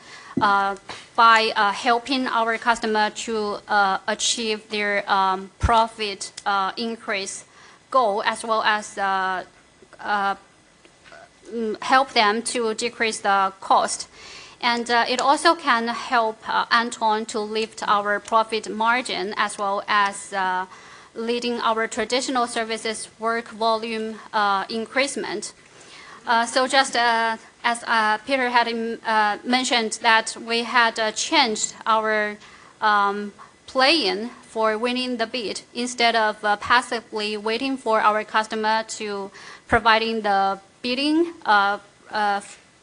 by helping our customer to achieve their profit increase goal, as well as help them to decrease the cost. It also can help Anton to lift our profit margin as well as leading our traditional services work volume increasement. Just as Peter had mentioned that we had changed our playing for winning the bid instead of passively waiting for our customer to providing the bidding of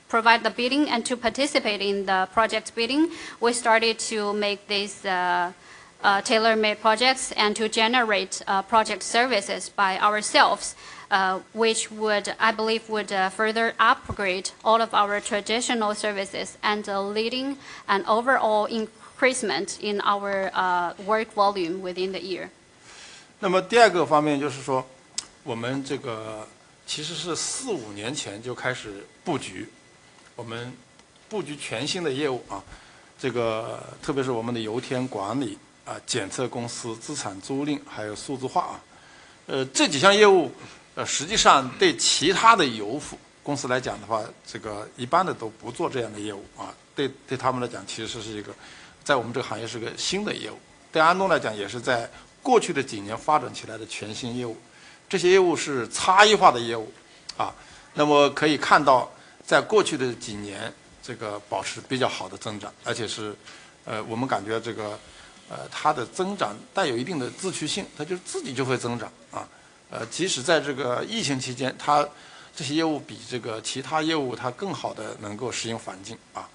provide the bidding and to participate in the project bidding. We started to make this tailor-made projects and to generate project services by ourselves, which would, I believe, would, further upgrade all of our traditional services and leading an overall increasement in our work volume within the year. 那么第二个方面就是说我们这个其实是四五年前就开始布 局， 我们布局全新的业务 啊， 这个特别是我们的油田管理 啊， 检测公司资产租 赁， 还有数字化。呃， 这几项业 务， 呃， 实际上对其他的油服公司来讲的 话， 这个一般的都不做这样的业务 啊， 对， 对他们来讲其实是一个在我们这个行业是个新的业 务， 对安东来讲也是在过去的几年发展起来的全新业务，这些业务是差异化的业务 啊， 那么可以看到在过去的几 年， 这个保持比较好的增 长， 而且是 呃， 我们感觉这 个， 呃， 它的增长带有一定的自驱 性， 它就自己就会增长 啊， 呃， 即使在这个疫情期 间， 它这些业务比这个其他业务它更好的能够适应环境 啊，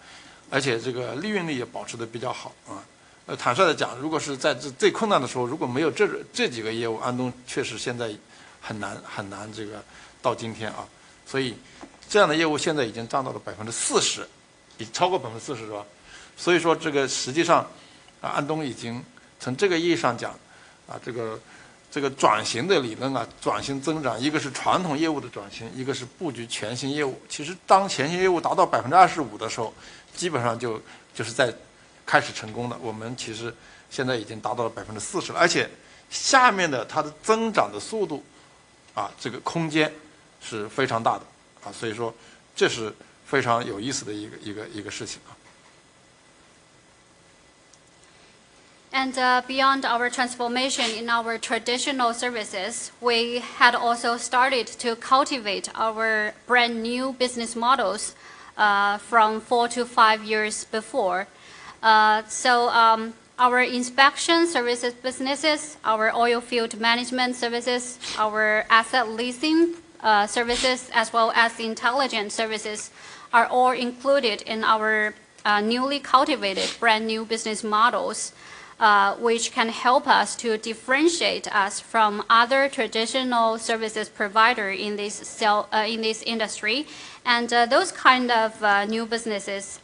而且这个利润率也保持得比较好啊。呃， 坦率地 讲， 如果是在 最， 最困难的时 候， 如果没有 这， 这几个业 务， 安东确实现在很 难， 很难这个到今天 啊， 所以这样的业务现在已经占到了百分之四 十， 已超过百分之四十是吧。所以说这个实际上啊安东已经从这个意义上 讲， 啊， 这 个， 这个转型的理论 啊， 转型增长一个是传统业务的转 型， 一个是布局全新业务。其实当全新业务达到百分之二十五的时 候， 基本上就就是在开始成功了。我们其实现在已经达到了百分之四 十， 而且下面的它的增长的速度 啊， 这个空间是非常大的 啊， 所以说这是非常有意思的一 个， 一 个， 一个事情啊。Beyond our transformation in our traditional services, we had also started to cultivate our brand new business models from 4 to 5 years before. Our inspection services businesses, our oil field management services, our asset leasing services as well as the intelligence services are all included in our newly cultivated brand new business models, which can help us to differentiate us from other traditional services provider in this industry. Those kind of new businesses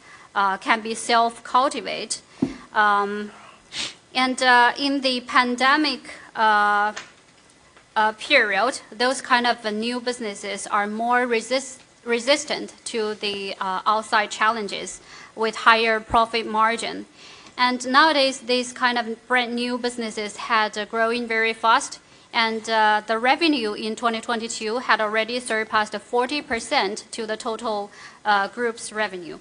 can be self cultivate. In the pandemic period, those kind of new businesses are more resistant to the outside challenges with higher profit margin. Nowadays, these kind of brand new businesses had growing very fast. The revenue in 2022 had already surpassed a 40% to the total group's revenue.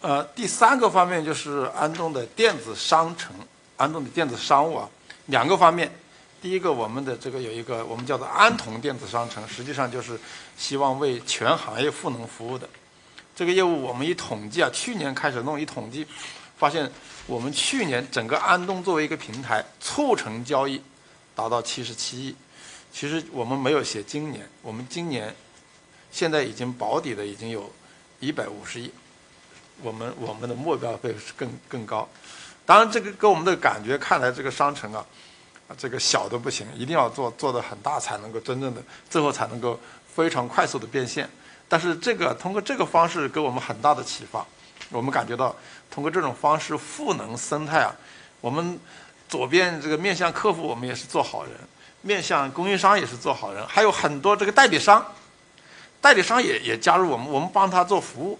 呃， 第三个方面就是安东的电子商 城， 安东的电子商务 啊， 两个方面。第一个我们的这个有一个我们叫做安同电子商 城， 实际上就是希望为全行业赋能服务的。这个业务我们一统计 啊， 去年开始弄一统 计， 发现我们去年整个安东作为一个平台促成交易达到七十七亿。其实我们没有写今 年， 我们今年现在已经保底的已经有一百五十亿，我 们， 我们的目标会是 更， 更高。当然这个跟我们的感 觉， 看来这个商城 啊， 这个小的不 行， 一定要 做， 做得很 大， 才能够真正的最后才能够非常快速的变现。但是这个通过这个方式给我们很大的启 发， 我们感觉到通过这种方式赋能生态 啊， 我们左边这个面向客 户， 我们也是做好 人， 面向供应商也是做好 人， 还有很多这个代理 商， 代理商 也， 也加入我 们， 我们帮他做服务，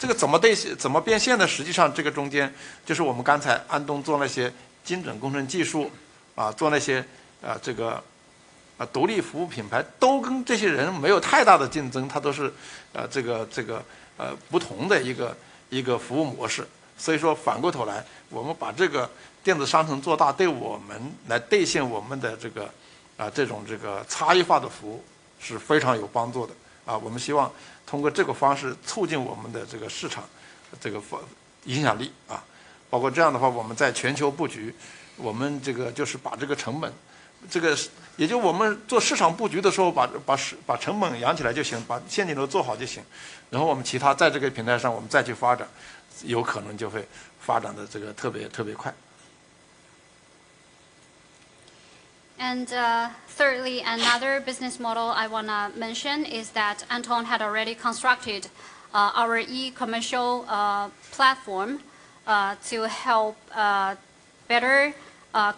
这个怎么 对， 怎么变现 呢？ 实际上这个中间就是我们刚才安东做那些精准工程技术 啊， 做那些 呃， 这个 啊， 独立服务品牌都跟这些人没有太大的竞 争， 他都是 啊， 这 个， 这个 呃， 不同的一 个， 一个服务模式。所以说反过头 来， 我们把这个电子商城做 大， 对我们来兑现我们的这个 啊， 这种这个差异化的服务是非常有帮助的 啊， 我们希望通过这个方式促进我们的这个市场这个服影响力 啊， 包括这样的 话， 我们在全球布 局， 我们这个就是把这个成 本， 这个也就我们做市场布局的时 候， 把， 把， 把成本养起来就 行， 把现金流做好就 行， 然后我们其他在这个平台上我们再去发 展， 有可能就会发展得这个特别特别快。Thirdly, another business model I wanna mention is that Anton had already constructed our e-commercial platform to help better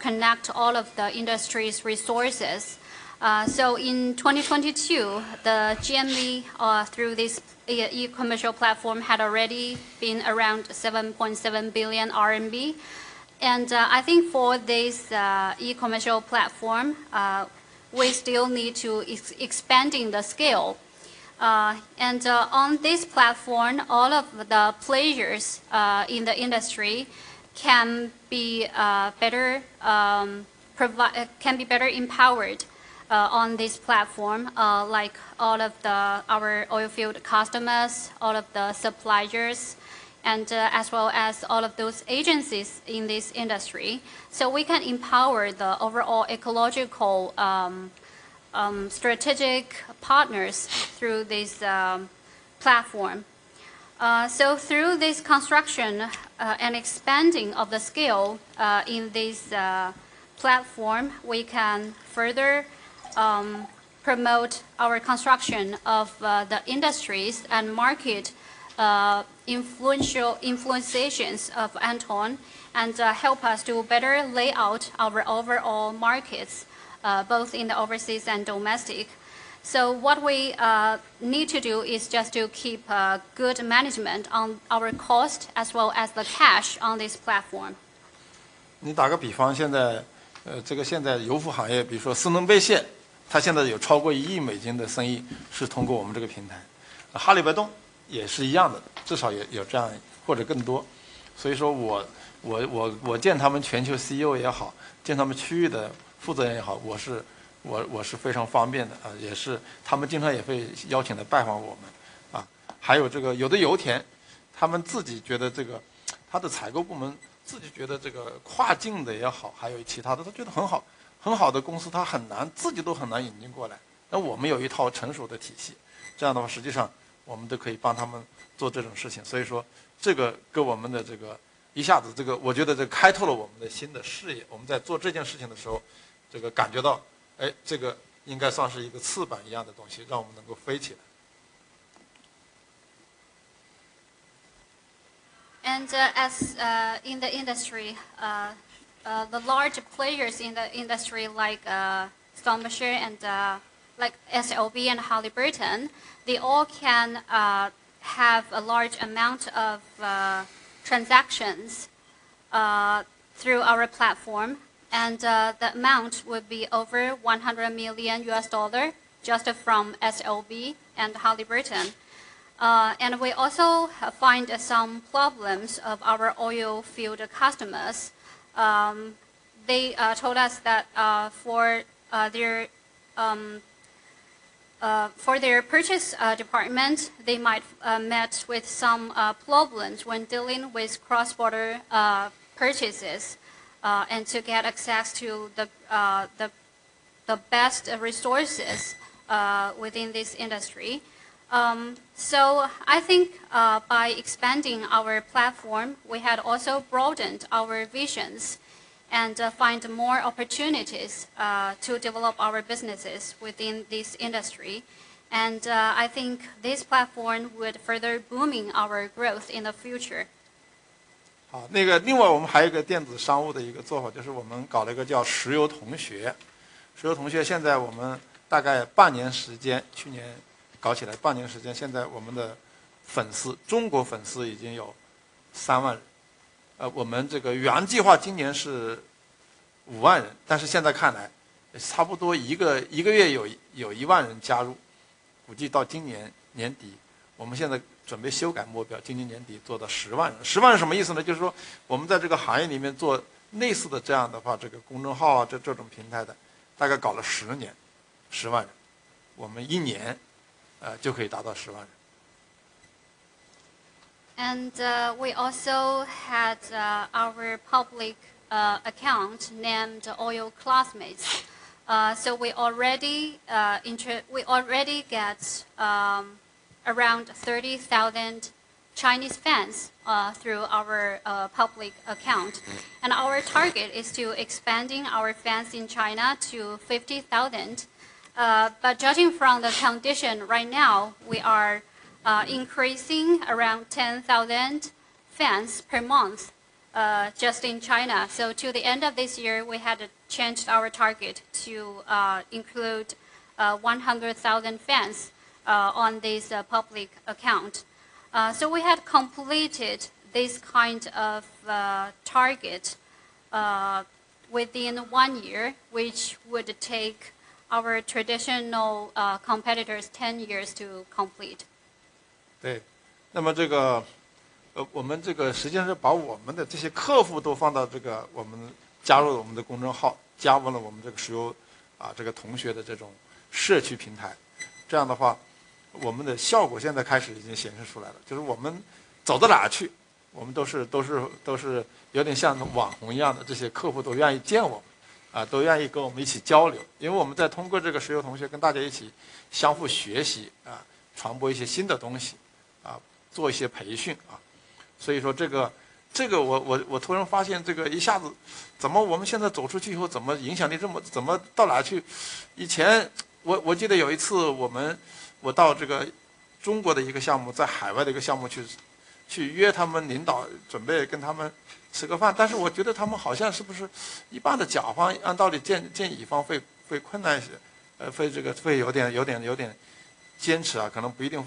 connect all of the industry's resources. In 2022, the GMV through this e-commercial platform had already been around 7.7 billion RMB. I think for this e-commercial platform, we still need to expanding the scale, and on this platform, all of the players in the industry can be better empowered. On this platform are like all of the our oilfield customers, all of the suppliers and as well as all of those agencies in this industry. We can empower the overall ecological, strategic partners through this platform. Through this construction and expanding of the scale in this platform, we can further, promote our construction of the industries and market, influential influencetions of Anton and help us to better lay out our overall markets both in the overseas and domestic. What we need to do is just to keep a good management on our cost as well as the cash on this platform. 你打个比 方， 现在这个现在油服行 业， 比如说 SLB， 它现在有超过 $100 million 的生意是通过我们这个 AT Mall。Halliburton 也是一样 的， 至少有这样或者更多。我见他们全球 CEO 也 好， 见他们区域的负责人也 好， 我是非常方便 的， 也是他们经常也会邀请来拜访我们。还有这个有的油 田， 他们自己觉得这个他的采购部门自己觉得这个跨境的也 好， 还有其他的都觉得很 好， 很好的公 司， 他很难自己都很难引进过 来， 但我们有一套成熟的体 系， 这样的 话， 实际上我们都可以帮他们做这种事情。这个跟我们的这个一下 子， 这个我觉得这开拓了我们的新的视 野， 我们在做这件事情的时 候， 这个感觉 到， 这个应该算是一个翅膀一样的东 西， 让我们能够飞起来。As a in the industry, the large players in the industry like 斯伦贝谢 and SLB and Halliburton they all can have a large amount of transactions through our platform, and the amount would be over $100 million just from SLB and Halliburton. We also find some problems of our oilfield customers. They told us that for their purchase department, they might match with some problems when dealing with cross-border purchases and to get access to the best resources within this industry. I think by expanding our platform, we had also broadened our visions and find more opportunities to develop our businesses within this industry. I think this platform would further booming our growth in the future. 好， 那个另外我们还有一个电子商务的一个做 法， 就是我们搞了一个叫石油同 学， 石油同 学， 现在我们大概半年时 间， 去年搞起来半年时 间， 现在我们的粉 丝， 中国粉丝已经有三万。我们这个原计划今年是五万 人， 但是现在看来差不多一个一个月有有一万人加 入， 估计到今年年底我们现在准备修改目 标， 今年年底做到十万人。十万人什么意思 呢？ 就是说我们在这个行业里面做类似 的， 这样的 话， 这个公众号 啊， 这种平台的大概搞了十 年， 十万 人， 我们一年就可以达到十万人。We also had our public account named Oil Classmates. We already get around 30,000 Chinese fans through our public account and our target is to expanding our fans in China to 50,000. Judging from the condition right now, we are increasing around 10,000 fans per month just in China. To the end of this year, we had to change our target to include 100,000 fans on this public account. We have completed this kind of target within one year, which would take our traditional competitors 10 years to complete. 我们实际上是把我们的这些客户都放到这个我们加入我们的公众 号，加入了 我们这个石油同学的这种社区平台。这样的 话，我们的 效果现在开始已经显示出来 了，就是 我们走到哪儿 去，我们 都是有点像网红一样 的，这些 客户都愿意见 我们，都 愿意跟我们一起 交流，因为 我们在通过这个石油同学跟大家一起相互 学习，传播 一些新的 东西，做 一些培训。我突然发现这个一下子怎么我们现在走出去 以后，怎么 影响力这么怎么到哪去。以前我记得有一次我们我到这个中国的一个 项目，在 海外的一个项目 去，去 约他们 领导，准备 跟他们吃个 饭，但是 我觉得他们好像是不是一般的甲方按道理见乙方会困难 一些，会 这个会有点坚 持，可能 不一定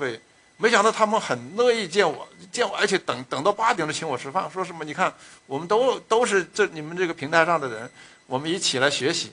会。没想到他们很乐意见 我，而且 等到八点就请我吃 饭，说 什 么，你看 我们都是这你们这个平台上的 人，我们 一起来学习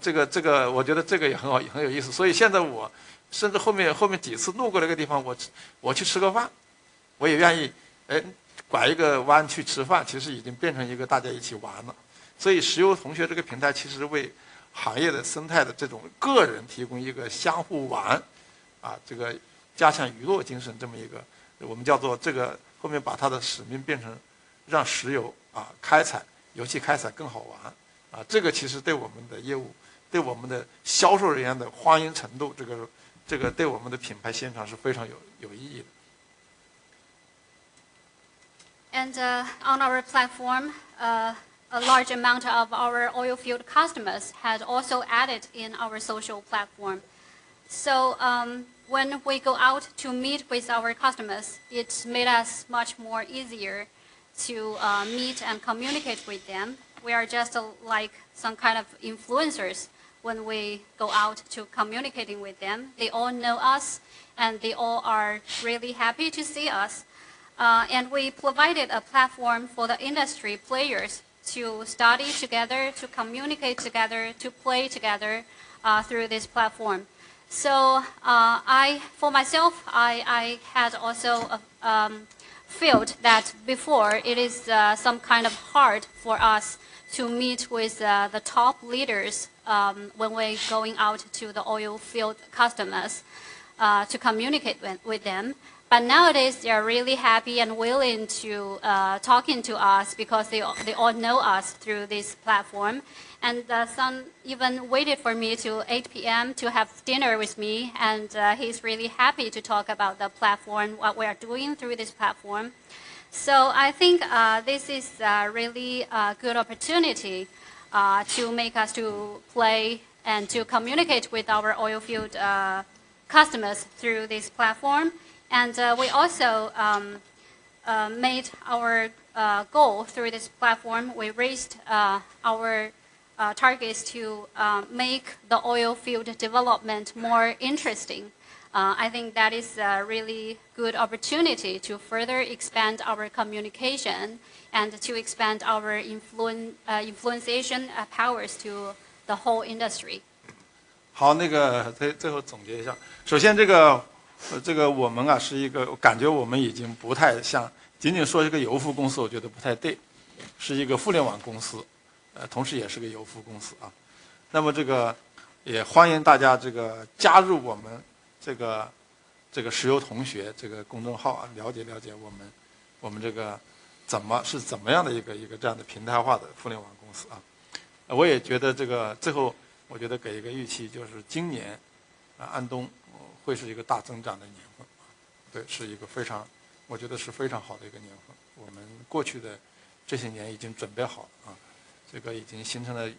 这 个，我 觉得这个也很 好，也 很有意思。现在我甚至后面几次路过这个 地方，我 去吃个饭。我也 愿意，诶，拐 一个弯去吃 饭，其实 已经变成一个大家一起玩了。石油同学这个平台其实为行业的生态的这种个人提供一个相互 玩，这 个加强娱乐精神这么一 个，我们 叫做这 个，后 面把它的使命变成让 石油，开采，油 气开采更好玩。这个其实对我们的 业务，对 我们的销售人员的欢迎 程度，这 个对我们的品牌宣传是非常有意义的。On our platform, a large amount of our oilfield customers had also added in our social platform. When we go out to meet with our customers, it made us much more easier to meet and communicate with them. We are just like some kind of influencers when we go out to communicating with them. They all know us and they all are really happy to see us. We provided a platform for the industry players to study together, to communicate together, to play together through this platform. I for myself, I had also feel that before it is some kind of hard for us to meet with the top leaders when we going out to the oilfield customers to communicate with them. Nowadays they are really happy and willing to talking to us because they all know us through this platform. Some even waited for me till 8:00 P.M. to have dinner with me. He's really happy to talk about the platform, what we are doing through this platform. I think this is a really good opportunity to make us to play and to communicate with our oilfield customers through this platform. We also made our goal through this platform, we raised our targets to make the oilfield development more interesting. I think that is a really good opportunity to further expand our communication and to expand our influence powers to the whole industry. 好， 那个最最后总结一 下， 首先这 个， 这个我们啊是一 个， 感觉我们已经不太像仅仅说一个油服公 司， 我觉得不太 对， 是一个互联网公司，呃同时也是个油服公司啊。那么这个也欢迎大家这个加入我们这 个， 这个石油同学这个公众号 啊， 了解了解我 们， 我们这个怎么是怎么样的一 个， 一个这样的平台化的互联网公司啊。我也觉得这个最后我觉得给一个预 期， 就是今年啊安东会是一个大增长的年 份， 对， 是一个非常我觉得是非常好的一个年 份， 我们过去的这些年已经准备好 了， 啊，这个已经形成了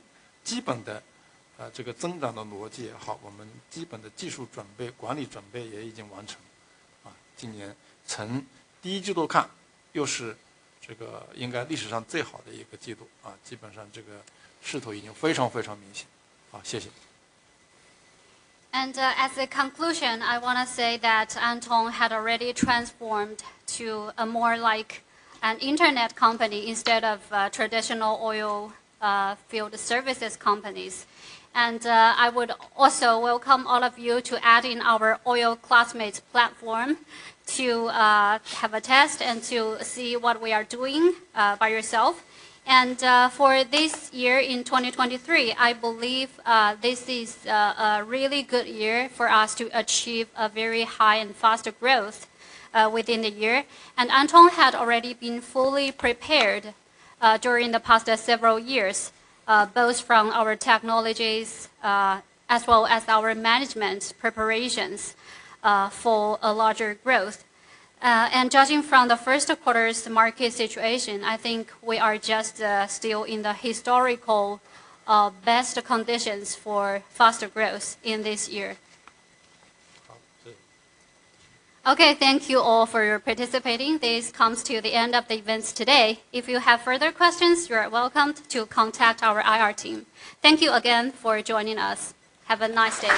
基本 的， 呃， 这个增长的逻辑。好， 我们基本的技术准 备， 管理准备也已经完成。啊， 今年从第一季度 看， 又是这个应该历史上最好的一个季 度， 啊， 基本上这个势头已经非常非常明显。好， 谢谢。As a conclusion, I wanna say that Anton had already transformed to a more like an internet company instead of traditional oilfield services companies. I would also welcome all of you to add in our oil classmates platform to have a test and to see what we are doing by yourself. For this year in 2023, I believe this is a really good year for us to achieve a very high and faster growth within the year. Anton had already been fully prepared during the past several years, both from our technologies as well as our management preparations for a larger growth. Judging from the first quarter's market situation, I think we are just still in the historical best conditions for faster growth in this year. OK, thank you all for your participating. This comes to the end of the events today. If you have further questions, you are welcome to contact our IR team. Thank you again for joining us. Have a nice day.